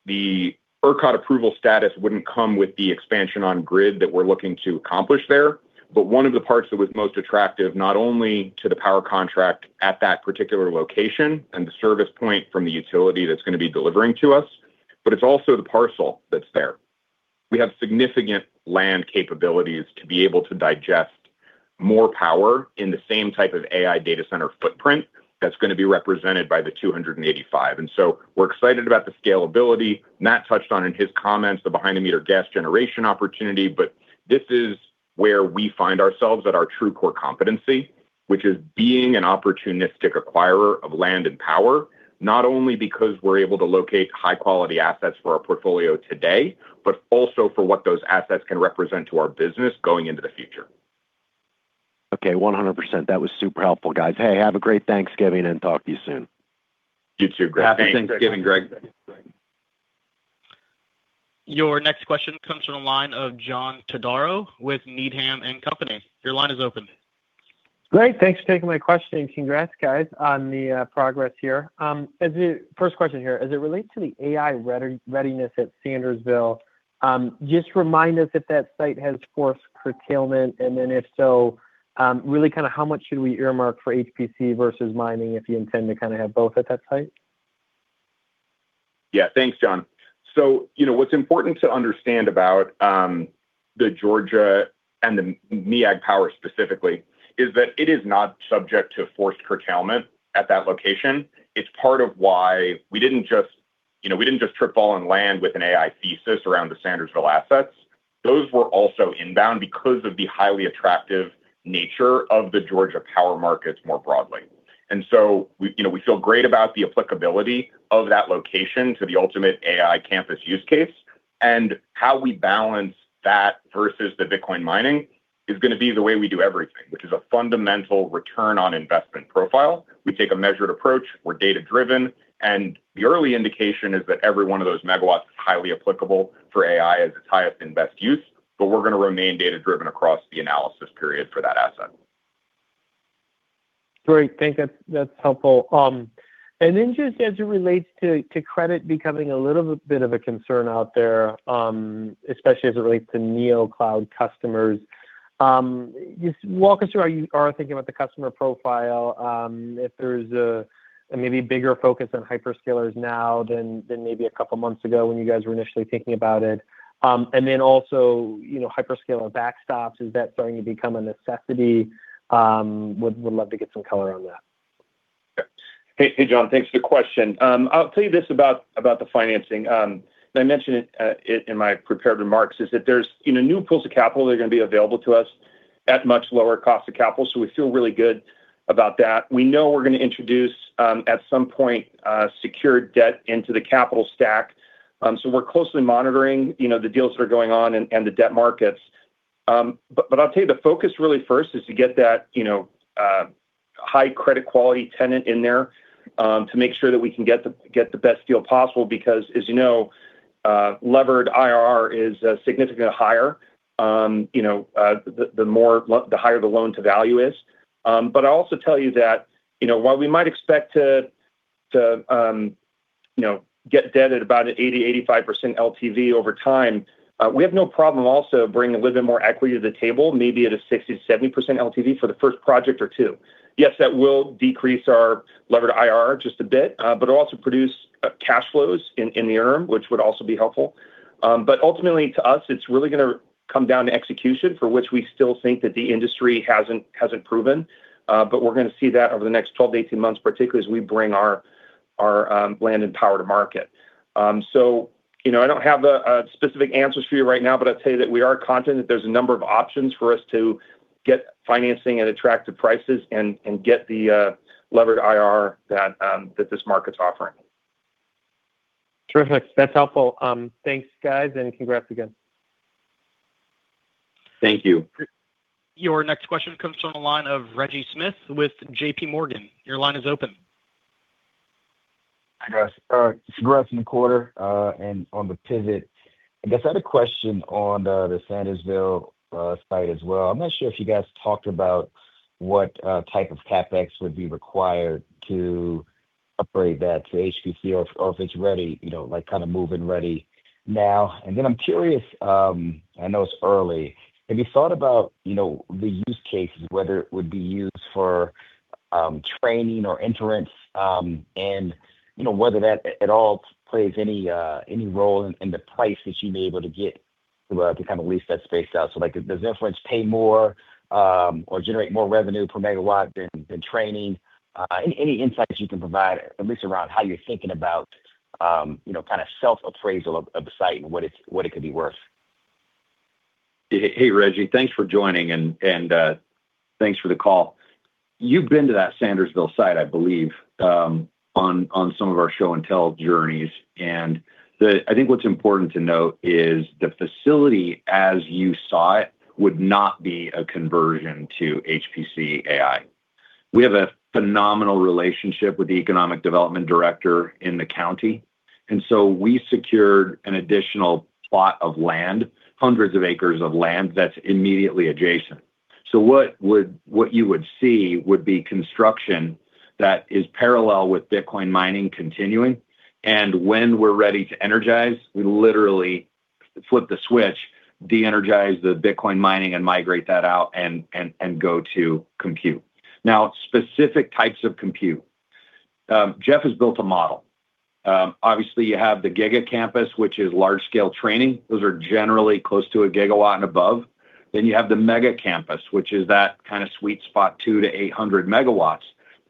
The ERCOT approval status would not come with the expansion on grid that we are looking to accomplish there, but one of the parts that was most attractive not only to the power contract at that particular location and the service point from the utility that is going to be delivering to us, but it is also the parcel that is there. We have significant land capabilities to be able to digest more power in the same type of AI data center footprint that is going to be represented by the 285. We are excited about the scalability. Matt touched on in his comments the behind-the-meter gas generation opportunity, but this is where we find ourselves at our true core competency, which is being an opportunistic acquirer of land and power, not only because we're able to locate high-quality assets for our portfolio today, but also for what those assets can represent to our business going into the future. Okay. 100%. That was super helpful, guys. Hey, have a great Thanksgiving and talk to you soon. Happy Thanksgiving, Greg. Your next question comes from the line of John Todaro with Needham and Company. Your line is open. Great. Thanks for taking my question. Congrats, guys, on the progress here. First question here. As it relates to the AI readiness at Sandersville, just remind us if that site has forced curtailment, and then if so, really kind of how much should we earmark for HPC versus mining if you intend to kind of have both at that site? Yeah. Thanks, John. What is important to understand about the Georgia and the MEAG power specifically is that it is not subject to forced curtailment at that location. It is part of why we did not just trip all in land with an AI thesis around the Sandersville assets. Those were also inbound because of the highly attractive nature of the Georgia power markets more broadly. We feel great about the applicability of that location to the ultimate AI campus use case. How we balance that versus the Bitcoin mining is going to be the way we do everything, which is a fundamental return on investment profile. We take a measured approach. We're data-driven. The early indication is that every one of those megawatts is highly applicable for AI as its highest and best use, but we're going to remain data-driven across the analysis period for that asset. Great. Thanks. That's helpful. Just as it relates to credit becoming a little bit of a concern out there, especially as it relates to neocloud customers, just walk us through our thinking about the customer profile, if there's maybe a bigger focus on hyperscalers now than maybe a couple of months ago when you guys were initially thinking about it. Also, hyperscaler backstops, is that starting to become a necessity? Would love to get some color on that. Hey, John. Thanks for the question. I'll tell you this about the financing. I mentioned it in my prepared remarks is that there's new pools of capital that are going to be available to us at much lower cost of capital, so we feel really good about that. We know we're going to introduce at some point secured debt into the capital stack. We are closely monitoring the deals that are going on and the debt markets. I'll tell you the focus really first is to get that high credit quality tenant in there to make sure that we can get the best deal possible because, as you know, levered IRR is significantly higher the higher the loan-to-value is. I will also tell you that while we might expect to get debt at about an 80%-85% LTV over time, we have no problem also bringing a little bit more equity to the table, maybe at a 60%-70% LTV for the first project or two. Yes, that will decrease our levered IRR just a bit, but it will also produce cash flows in the interim, which would also be helpful. Ultimately, to us, it is really going to come down to execution, for which we still think that the industry has not proven. We are going to see that over the next 12 to 18 months, particularly as we bring our land and power to market. I do not have specific answers for you right now, but I'll tell you that we are content that there's a number of options for us to get financing at attractive prices and get the levered IRR that this market's offering. Terrific. That's helpful. Thanks, guys, and congrats again. Thank you. Your next question comes from the line of Reggie Smith with JPMorgan. Your line is open. Congrats in the quarter and on the pivot. I guess I had a question on the Sandersville site as well. I'm not sure if you guys talked about what type of CapEx would be required to upgrade that to HPC or if it's ready, kind of move-in ready now. I'm curious, I know it's early, have you thought about the use cases, whether it would be used for training or interim and whether that at all plays any role in the price that you'd be able to get to kind of lease that space out? Does interim pay more or generate more revenue per megawatt than training? Any insights you can provide, at least around how you're thinking about kind of self-appraisal of the site and what it could be worth? Hey, Reggie. Thanks for joining, and thanks for the call. You've been to that Sandersville site, I believe, on some of our show and tell journeys. I think what's important to note is the facility, as you saw it, would not be a conversion to HPC AI. We have a phenomenal relationship with the economic development director in the county, and we secured an additional plot of land, hundreds of acres of land that is immediately adjacent. What you would see would be construction that is parallel with Bitcoin mining continuing. When we are ready to energize, we literally flip the switch, de-energize the Bitcoin mining and migrate that out and go to compute. Now, specific types of compute. Jeff has built a model. Obviously, you have the gigacampus, which is large-scale training. Those are generally close to 1 GW and above. You have the megacampus, which is that kind of sweet spot, 200 MW-800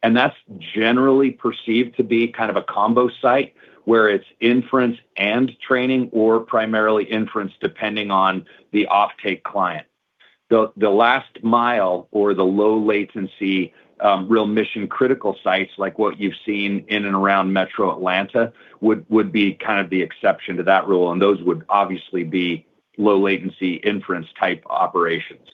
MW. That is generally perceived to be kind of a combo site where it is inference and training or primarily inference, depending on the offtake client. The last mile or the low-latency real mission-critical sites, like what you've seen in and around Metro Atlanta, would be kind of the exception to that rule, and those would obviously be low-latency inference-type operations.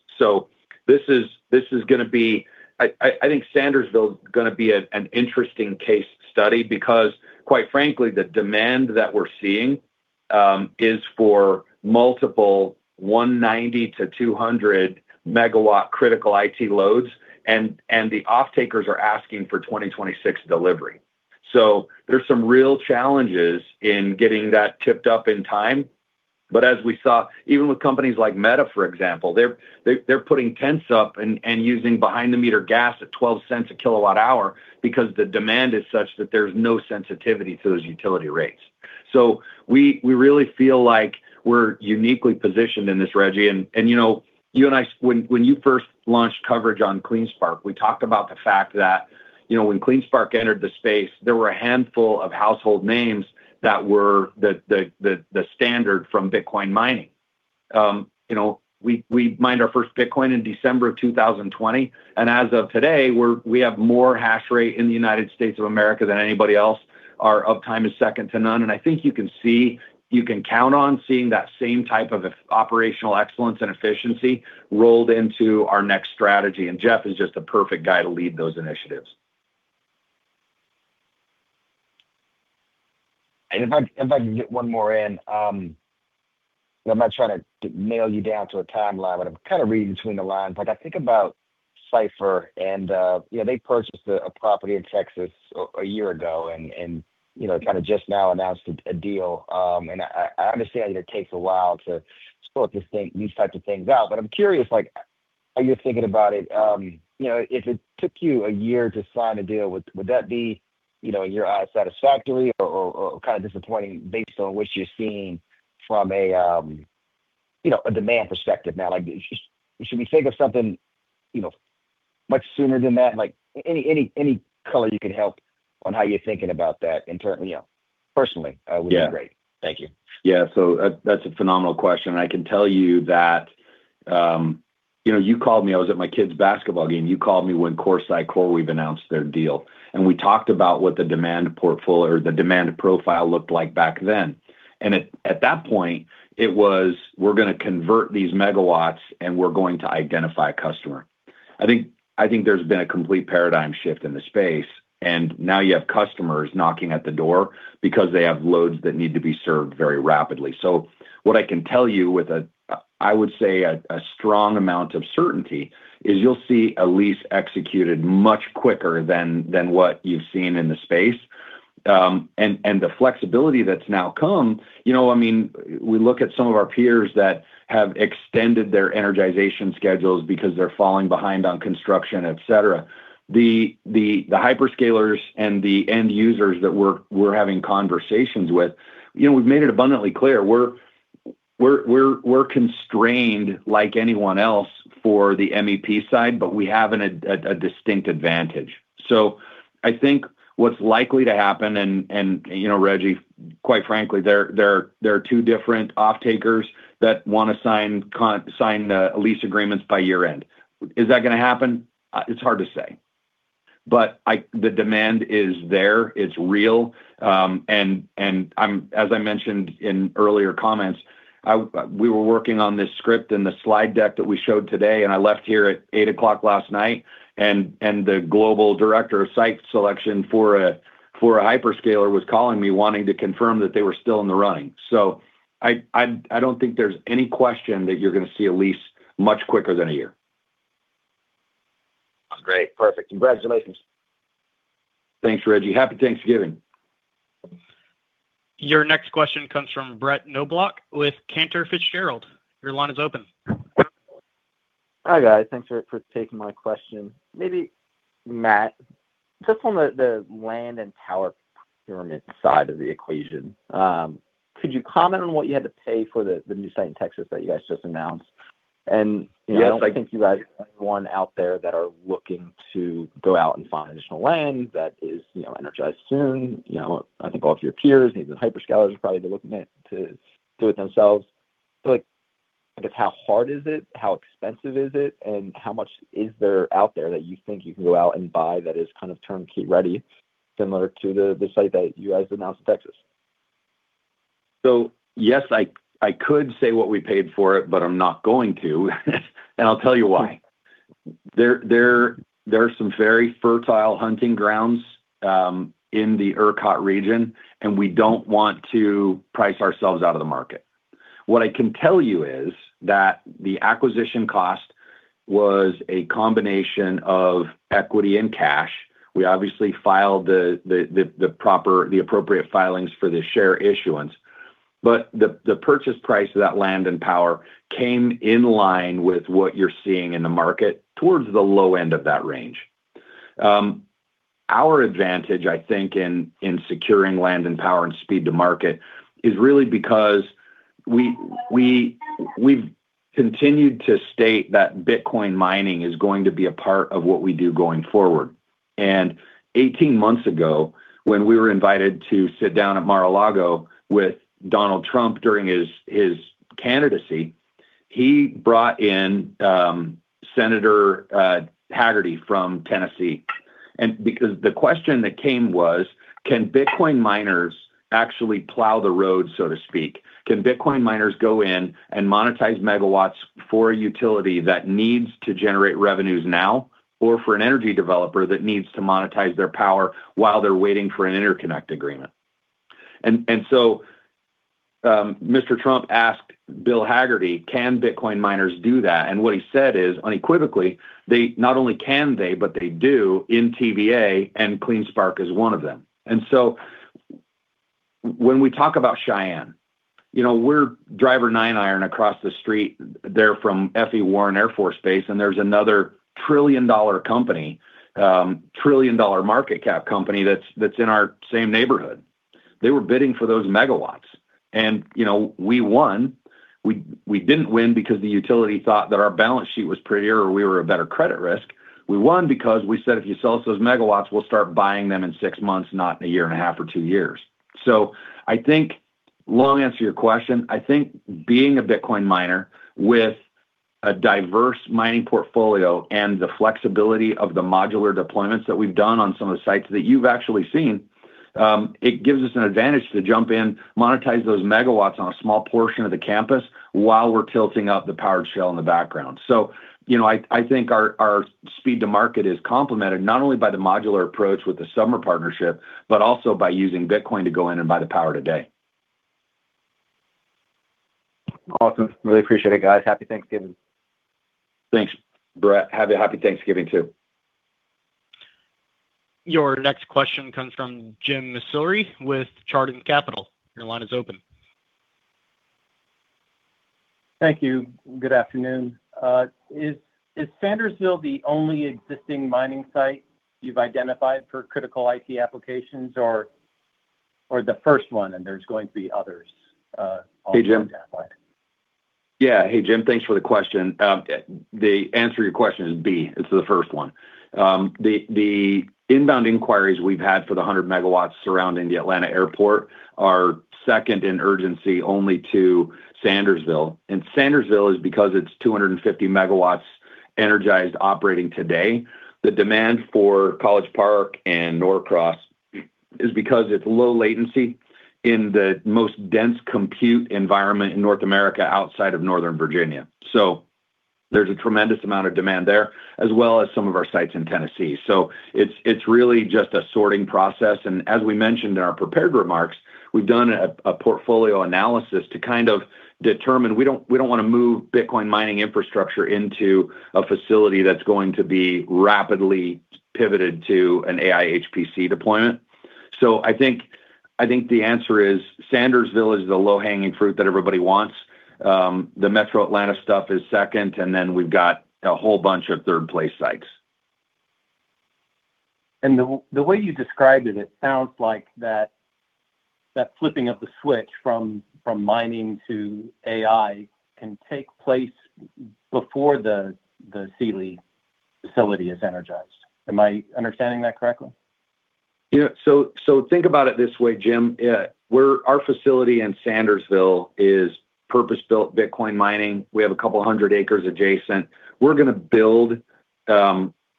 This is going to be, I think, Sandersville is going to be an interesting case study because, quite frankly, the demand that we're seeing is for multiple 190 MW-200 MW critical IT loads, and the offtakers are asking for 2026 delivery. There are some real challenges in getting that tipped up in time. As we saw, even with companies like Meta, for example, they're putting tents up and using behind-the-meter gas at $0.12 a kilowatt-hour because the demand is such that there's no sensitivity to those utility rates. We really feel like we're uniquely positioned in this, Reggie. You and I, when you first launched coverage on CleanSpark, we talked about the fact that when CleanSpark entered the space, there were a handful of household names that were the standard for Bitcoin mining. We mined our first Bitcoin in December of 2020, and as of today, we have more hash rate in the United States of America than anybody else. Our uptime is second to none. I think you can see you can count on seeing that same type of operational excellence and efficiency rolled into our next strategy. Jeff is just a perfect guy to lead those initiatives. If I can get one more in, I am not trying to nail you down to a timeline, but I am kind of reading between the lines. I think about Cipher, and they purchased a property in Texas a year ago and kind of just now announced a deal. I understand that it takes a while to sort of think these types of things out, but I'm curious, how you're thinking about it. If it took you a year to sign a deal, would that be, in your eyes, satisfactory or kind of disappointing based on what you're seeing from a demand perspective now? Should we think of something much sooner than that? Any color you can help on how you're thinking about that internally? Personally, it would be great. Thank you. Yeah. That's a phenomenal question. I can tell you that you called me. I was at my kid's basketball game. You called me when CoreWeave announced their deal. We talked about what the demand portfolio or the demand profile looked like back then. At that point, it was, "We're going to convert these megawatts, and we're going to identify a customer." I think there's been a complete paradigm shift in the space, and now you have customers knocking at the door because they have loads that need to be served very rapidly. What I can tell you with, I would say, a strong amount of certainty is you'll see a lease executed much quicker than what you've seen in the space. The flexibility that's now come, I mean, we look at some of our peers that have extended their energization schedules because they're falling behind on construction, etc. The hyperscalers and the end users that we're having conversations with, we've made it abundantly clear. We're constrained like anyone else for the MEP side, but we have a distinct advantage. I think what's likely to happen, and Reggie, quite frankly, there are two different offtakers that want to sign lease agreements by year-end. Is that going to happen? It's hard to say. The demand is there. It's real. As I mentioned in earlier comments, we were working on this script and the slide deck that we showed today, and I left here at 8:00 P.M. last night, and the global director of site selection for a hyperscaler was calling me wanting to confirm that they were still in the running. I don't think there's any question that you're going to see a lease much quicker than a year. Great. Perfect. Congratulations. Thanks, Reggie. Happy Thanksgiving. Your next question comes from Brett Knoblauch with Cantor Fitzgerald. Your line is open. Hi, guys. Thanks for taking my question. Maybe Matt. Just on the land and power pyramid side of the equation, could you comment on what you had to pay for the new site in Texas that you guys just announced? I think you guys are the one out there that are looking to go out and find additional land that is energized soon. I think all of your peers, even hyperscalers, are probably looking to do it themselves. I guess how hard is it? How expensive is it? How much is there out there that you think you can go out and buy that is kind of turnkey ready, similar to the site that you guys announced in Texas? Yes, I could say what we paid for it, but I'm not going to. I'll tell you why. There are some very fertile hunting grounds in the ERCOT region, and we do not want to price ourselves out of the market. What I can tell you is that the acquisition cost was a combination of equity and cash. We obviously filed the appropriate filings for the share issuance, but the purchase price of that land and power came in line with what you are seeing in the market towards the low end of that range. Our advantage, I think, in securing land and power and speed to market is really because we have continued to state that Bitcoin mining is going to be a part of what we do going forward. Eighteen months ago, when we were invited to sit down at Mar-a-Lago with Donald Trump during his candidacy, he brought in Senator Hagerty from Tennessee. Because the question that came was, can Bitcoin miners actually plow the road, so to speak? Can Bitcoin miners go in and monetize megawatts for a utility that needs to generate revenues now or for an energy developer that needs to monetize their power while they're waiting for an interconnect agreement? Mr. Trump asked Bill Hagerty, can Bitcoin miners do that? What he said is, unequivocally, not only can they, but they do in TVA, and CleanSpark is one of them. When we talk about Cheyenne, we're driver nine iron across the street there from F.E. Warren Air Force Base, and there's another trillion-dollar company, trillion-dollar market cap company that's in our same neighborhood. They were bidding for those megawatts. We won. We didn't win because the utility thought that our balance sheet was prettier or we were a better credit risk. We won because we said, "If you sell us those megawatts, we'll start buying them in six months, not in a year and a half or two years." I think, long answer to your question, I think being a Bitcoin miner with a diverse mining portfolio and the flexibility of the modular deployments that we've done on some of the sites that you've actually seen, it gives us an advantage to jump in, monetize those megawatts on a small portion of the campus while we're tilting up the powered shell in the background. I think our speed to market is complemented not only by the modular approach with the Submer partnership, but also by using Bitcoin to go in and buy the power today. Awesome. Really appreciate it, guys. Happy Thanksgiving. Thanks, Brett. Have a happy Thanksgiving too. Your next question comes from Jim McIlree with Chardan Capital. Your line is open. Thank you. Good afternoon. Is Sandersville the only existing mining site you've identified for critical IT applications or the first one, and there's going to be others? Hey, Jim. Yeah. Hey, Jim. Thanks for the question. The answer to your question is B. It's the first one. The inbound inquiries we've had for the 100 MW surrounding the Atlanta airport are second in urgency only to Sandersville. Sandersville is because it's 250 MW energized operating today. The demand for College Park and Norcross is because it's low latency in the most dense compute environment in North America outside of Northern Virginia. There is a tremendous amount of demand there, as well as some of our sites in Tennessee. It's really just a sorting process. As we mentioned in our prepared remarks, we've done a portfolio analysis to kind of determine we don't want to move Bitcoin mining infrastructure into a facility that's going to be rapidly pivoted to an AI-HPC deployment. I think the answer is Sandersville is the low-hanging fruit that everybody wants. The Metro Atlanta stuff is second, and then we've got a whole bunch of third-place sites. The way you described it, it sounds like that flipping of the switch from mining to AI can take place before the Sealy facility is energized. Am I understanding that correctly? Yeah. Think about it this way, Jim. Our facility in Sandersville is purpose-built Bitcoin mining. We have a couple of hundred acres adjacent. We're going to build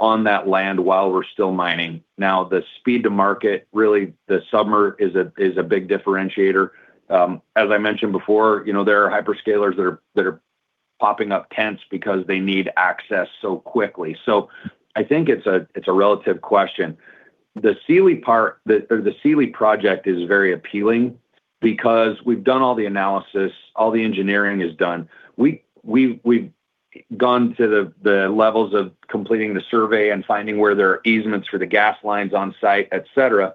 on that land while we're still mining. The speed to market, really, the summer is a big differentiator. As I mentioned before, there are hyperscalers that are popping up tents because they need access so quickly. I think it's a relative question. The Sealy project is very appealing because we've done all the analysis. All the engineering is done. We've gone to the levels of completing the survey and finding where there are easements for the gas lines on site, etc.,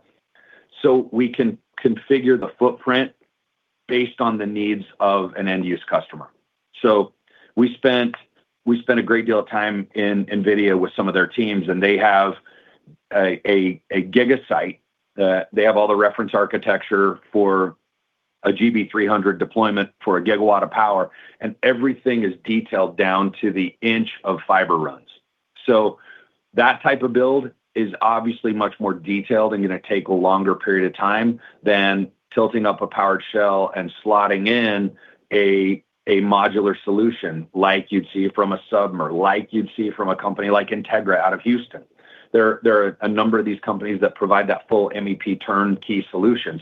so we can configure the footprint based on the needs of an end-use customer. We spent a great deal of time in NVIDIA with some of their teams, and they have a gigasite. They have all the reference architecture for a GB300 deployment for a gigawatt of power, and everything is detailed down to the inch of fiber runs. That type of build is obviously much more detailed and going to take a longer period of time than tilting up a powered shell and slotting in a modular solution like you'd see from a Submer, like you'd see from a company like Integra out of Houston. There are a number of these companies that provide that full MEP turnkey solution.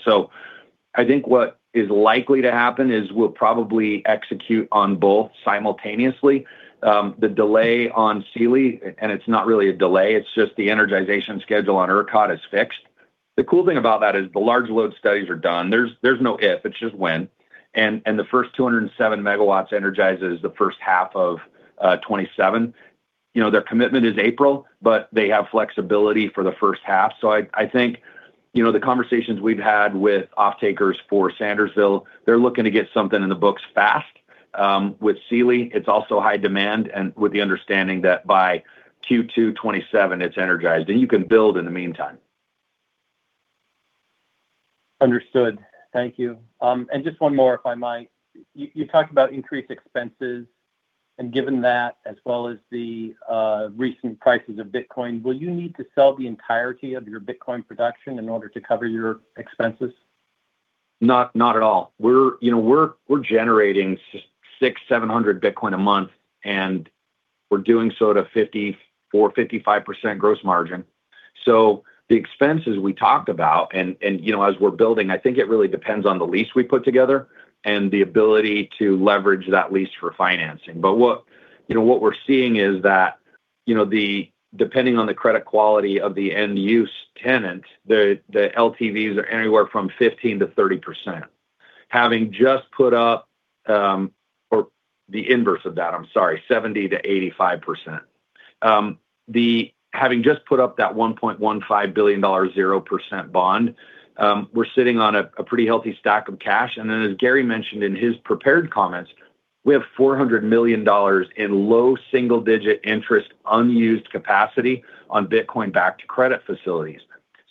I think what is likely to happen is we'll probably execute on both simultaneously. The delay on Sealy, and it's not really a delay. It's just the energization schedule on ERCOT is fixed. The cool thing about that is the large load studies are done. There's no if. It's just when. The first 207 MW energized is the first half of 2027. Their commitment is April, but they have flexibility for the first half. I think the conversations we've had with offtakers for Sandersville, they're looking to get something in the books fast. With Sealy, it's also high demand and with the understanding that by Q2 2027, it's energized, and you can build in the meantime. Understood. Thank you. Just one more, if I might. You talked about increased expenses. Given that, as well as the recent prices of Bitcoin, will you need to sell the entirety of your Bitcoin production in order to cover your expenses? Not at all. We're generating 6,700 Bitcoin a month, and we're doing so at a 50%-55% gross margin. The expenses we talked about, and as we're building, I think it really depends on the lease we put together and the ability to leverage that lease for financing. What we're seeing is that depending on the credit quality of the end-use tenant, the LTVs are anywhere from 15%-30%. Having just put up, or the inverse of that, I'm sorry, 70%-85%. Having just put up that $1.15 billion, 0% bond, we're sitting on a pretty healthy stack of cash. As Gary mentioned in his prepared comments, we have $400 million in low single-digit interest unused capacity on Bitcoin-backed credit facilities.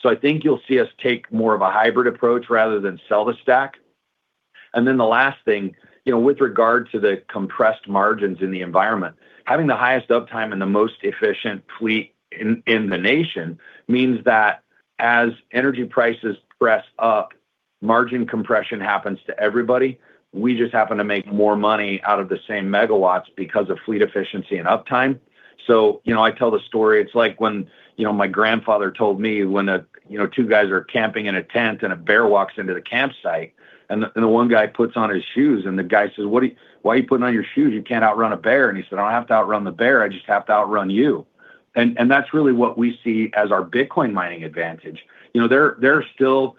I think you'll see us take more of a hybrid approach rather than sell the stack. The last thing, with regard to the compressed margins in the environment, having the highest uptime and the most efficient fleet in the nation means that as energy prices press up, margin compression happens to everybody. We just happen to make more money out of the same megawatts because of fleet efficiency and uptime. I tell the story. It's like when my grandfather told me when two guys are camping in a tent and a bear walks into the campsite, and the one guy puts on his shoes, and the guy says, "Why are you putting on your shoes? You can't outrun a bear." He said, "I don't have to outrun the bear. I just have to outrun you." That's really what we see as our Bitcoin mining advantage. There are still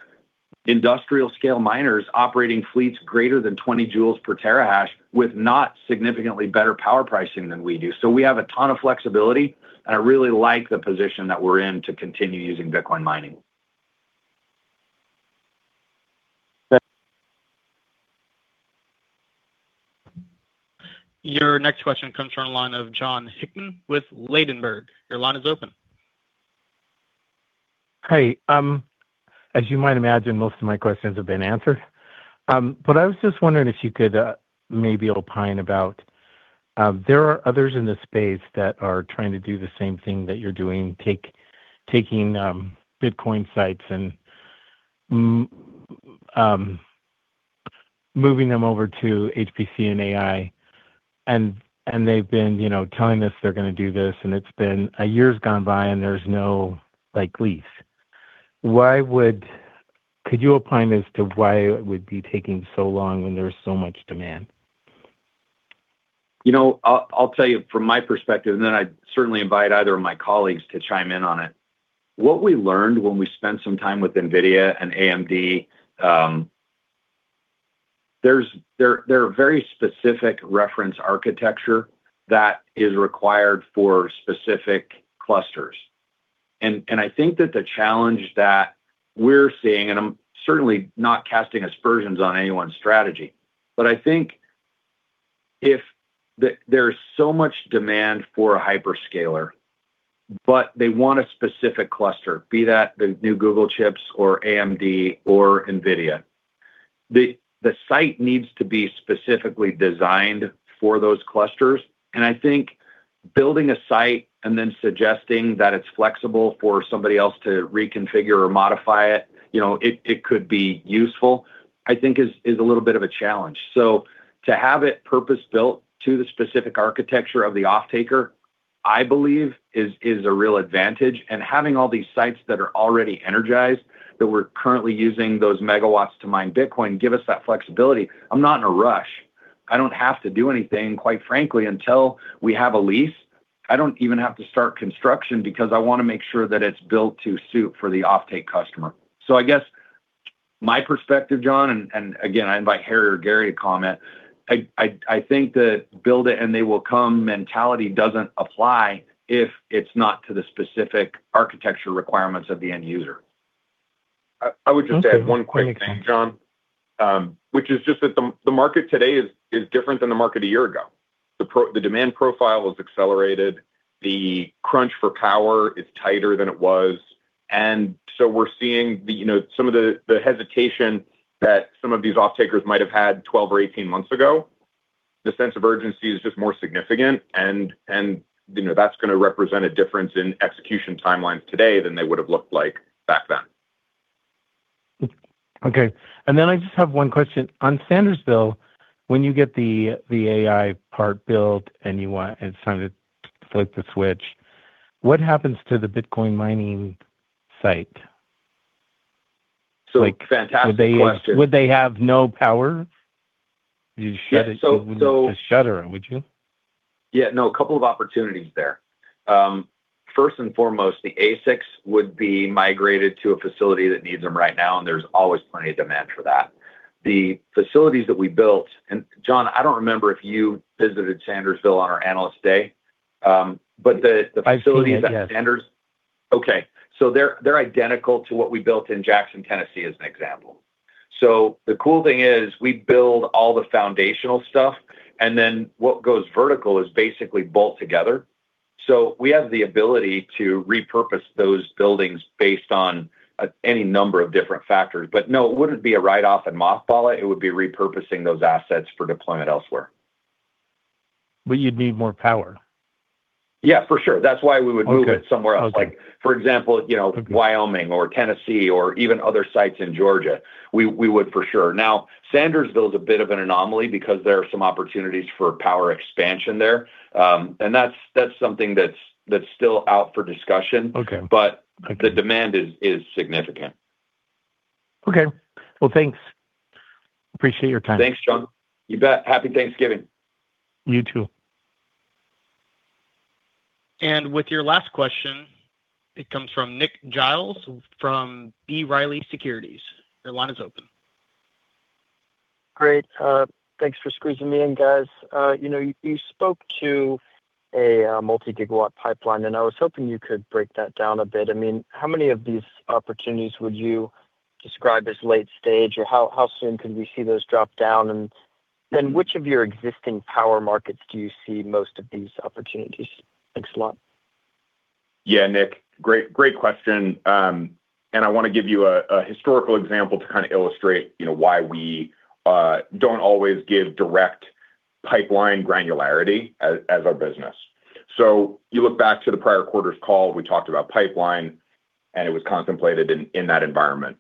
industrial-scale miners operating fleets greater than 20 J per terahash with not significantly better power pricing than we do. We have a ton of flexibility, and I really like the position that we're in to continue using Bitcoin mining. Your next question comes from a line of Jon Hickman with Ladenburg. Your line is open. Hi. As you might imagine, most of my questions have been answered. I was just wondering if you could maybe opine about there are others in the space that are trying to do the same thing that you're doing, taking Bitcoin sites and moving them over to HPC and AI, and they've been telling us they're going to do this, and it's been a year's gone by, and there's no lease. Could you opine as to why it would be taking so long when there's so much demand? I'll tell you from my perspective, and then I'd certainly invite either of my colleagues to chime in on it. What we learned when we spent some time with NVIDIA and AMD, there are very specific reference architecture that is required for specific clusters. I think that the challenge that we're seeing, and I'm certainly not casting aspersions on anyone's strategy, but I think if there's so much demand for a hyperscaler, but they want a specific cluster, be that the new Google chips or AMD or NVIDIA, the site needs to be specifically designed for those clusters. I think building a site and then suggesting that it's flexible for somebody else to reconfigure or modify it, it could be useful, I think is a little bit of a challenge. To have it purpose-built to the specific architecture of the offtaker, I believe, is a real advantage. Having all these sites that are already energized, that we're currently using those megawatts to mine Bitcoin, give us that flexibility. I'm not in a rush. I don't have to do anything, quite frankly, until we have a lease. I don't even have to start construction because I want to make sure that it's built to suit for the offtake customer. I guess my perspective, Jon, and again, I invite Harry or Gary to comment, I think the build-it-and-they-will-come mentality doesn't apply if it's not to the specific architecture requirements of the end user. I would just add one quick thing, Jon, which is just that the market today is different than the market a year ago. The demand profile has accelerated. The crunch for power is tighter than it was. We're seeing some of the hesitation that some of these offtakers might have had 12 or 18 months ago. The sense of urgency is just more significant, and that's going to represent a difference in execution timelines today than they would have looked like back then. Okay. I just have one question. On Sandersville, when you get the AI part built and it's time to flip the switch, what happens to the Bitcoin mining site? Fantastic question. Would they have no power? You shut it. Would you just shutter it? Would you? Yeah. No, a couple of opportunities there. First and foremost, the ASICs would be migrated to a facility that needs them right now, and there's always plenty of demand for that. The facilities that we built, and Jon, I don't remember if you visited Sandersville on our analyst day, but the facilities at Sandersville. Okay. They're identical to what we built in Jackson, Tennessee, as an example. The cool thing is we build all the foundational stuff, and then what goes vertical is basically bolt together. We have the ability to repurpose those buildings based on any number of different factors. No, it would not be a write-off and mothball it. It would be repurposing those assets for deployment elsewhere. You would need more power. Yeah, for sure. That is why we would move it somewhere else. For example, Wyoming or Tennessee or even other sites in Georgia, we would for sure. Now, Sandersville is a bit of an anomaly because there are some opportunities for power expansion there. That is something that is still out for discussion, but the demand is significant. Okay. Thanks. Appreciate your time. Thanks, Jon. You bet. Happy Thanksgiving. You too. Your last question comes from Nick Giles from B. Riley Securities. Your line is open. Great. Thanks for squeezing me in, guys. You spoke to a multi-gigawatt pipeline, and I was hoping you could break that down a bit. I mean, how many of these opportunities would you describe as late stage, or how soon could we see those drop down? Which of your existing power markets do you see most of these opportunities? Thanks a lot. Yeah, Nick. Great question. I want to give you a historical example to kind of illustrate why we do not always give direct pipeline granularity as our business. You look back to the prior quarter's call, we talked about pipeline, and it was contemplated in that environment.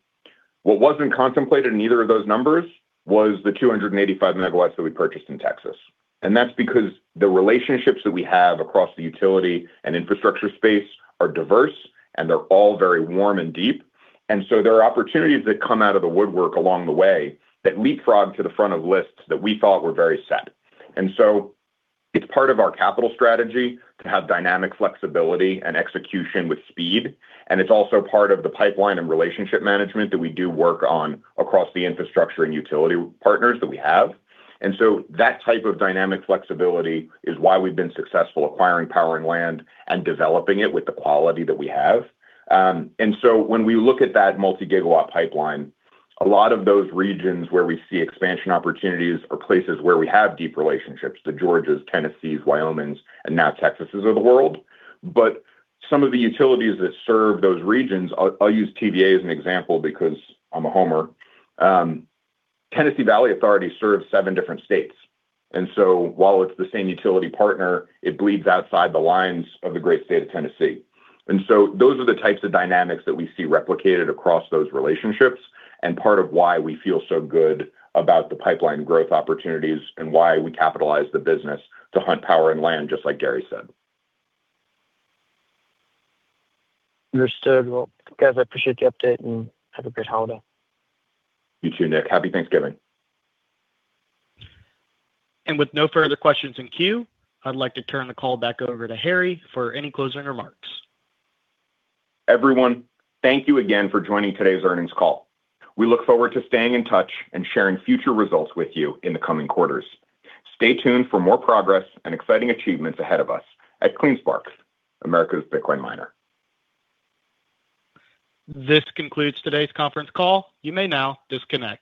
What was not contemplated in either of those numbers was the 285 MW that we purchased in Texas. That is because the relationships that we have across the utility and infrastructure space are diverse, and they are all very warm and deep. There are opportunities that come out of the woodwork along the way that leapfrog to the front of lists that we thought were very set. It is part of our capital strategy to have dynamic flexibility and execution with speed. It is also part of the pipeline and relationship management that we do work on across the infrastructure and utility partners that we have. That type of dynamic flexibility is why we've been successful acquiring power and land and developing it with the quality that we have. When we look at that multi-gigawatt pipeline, a lot of those regions where we see expansion opportunities are places where we have deep relationships: the Georgias, Tennessees, Wyomings, and now Texases of the world. Some of the utilities that serve those regions—I will use TVA as an example because I am a homer—Tennessee Valley Authority serves seven different states. While it is the same utility partner, it bleeds outside the lines of the great state of Tennessee. Those are the types of dynamics that we see replicated across those relationships and part of why we feel so good about the pipeline growth opportunities and why we capitalize the business to hunt power and land, just like Gary said. Understood. Guys, I appreciate the update, and have a great holiday. You too, Nick. Happy Thanksgiving. With no further questions in queue, I would like to turn the call back over to Harry for any closing remarks. Everyone, thank you again for joining today's earnings call. We look forward to staying in touch and sharing future results with you in the coming quarters. Stay tuned for more progress and exciting achievements ahead of us at CleanSpark, America's Bitcoin miner. This concludes today's conference call. You may now disconnect.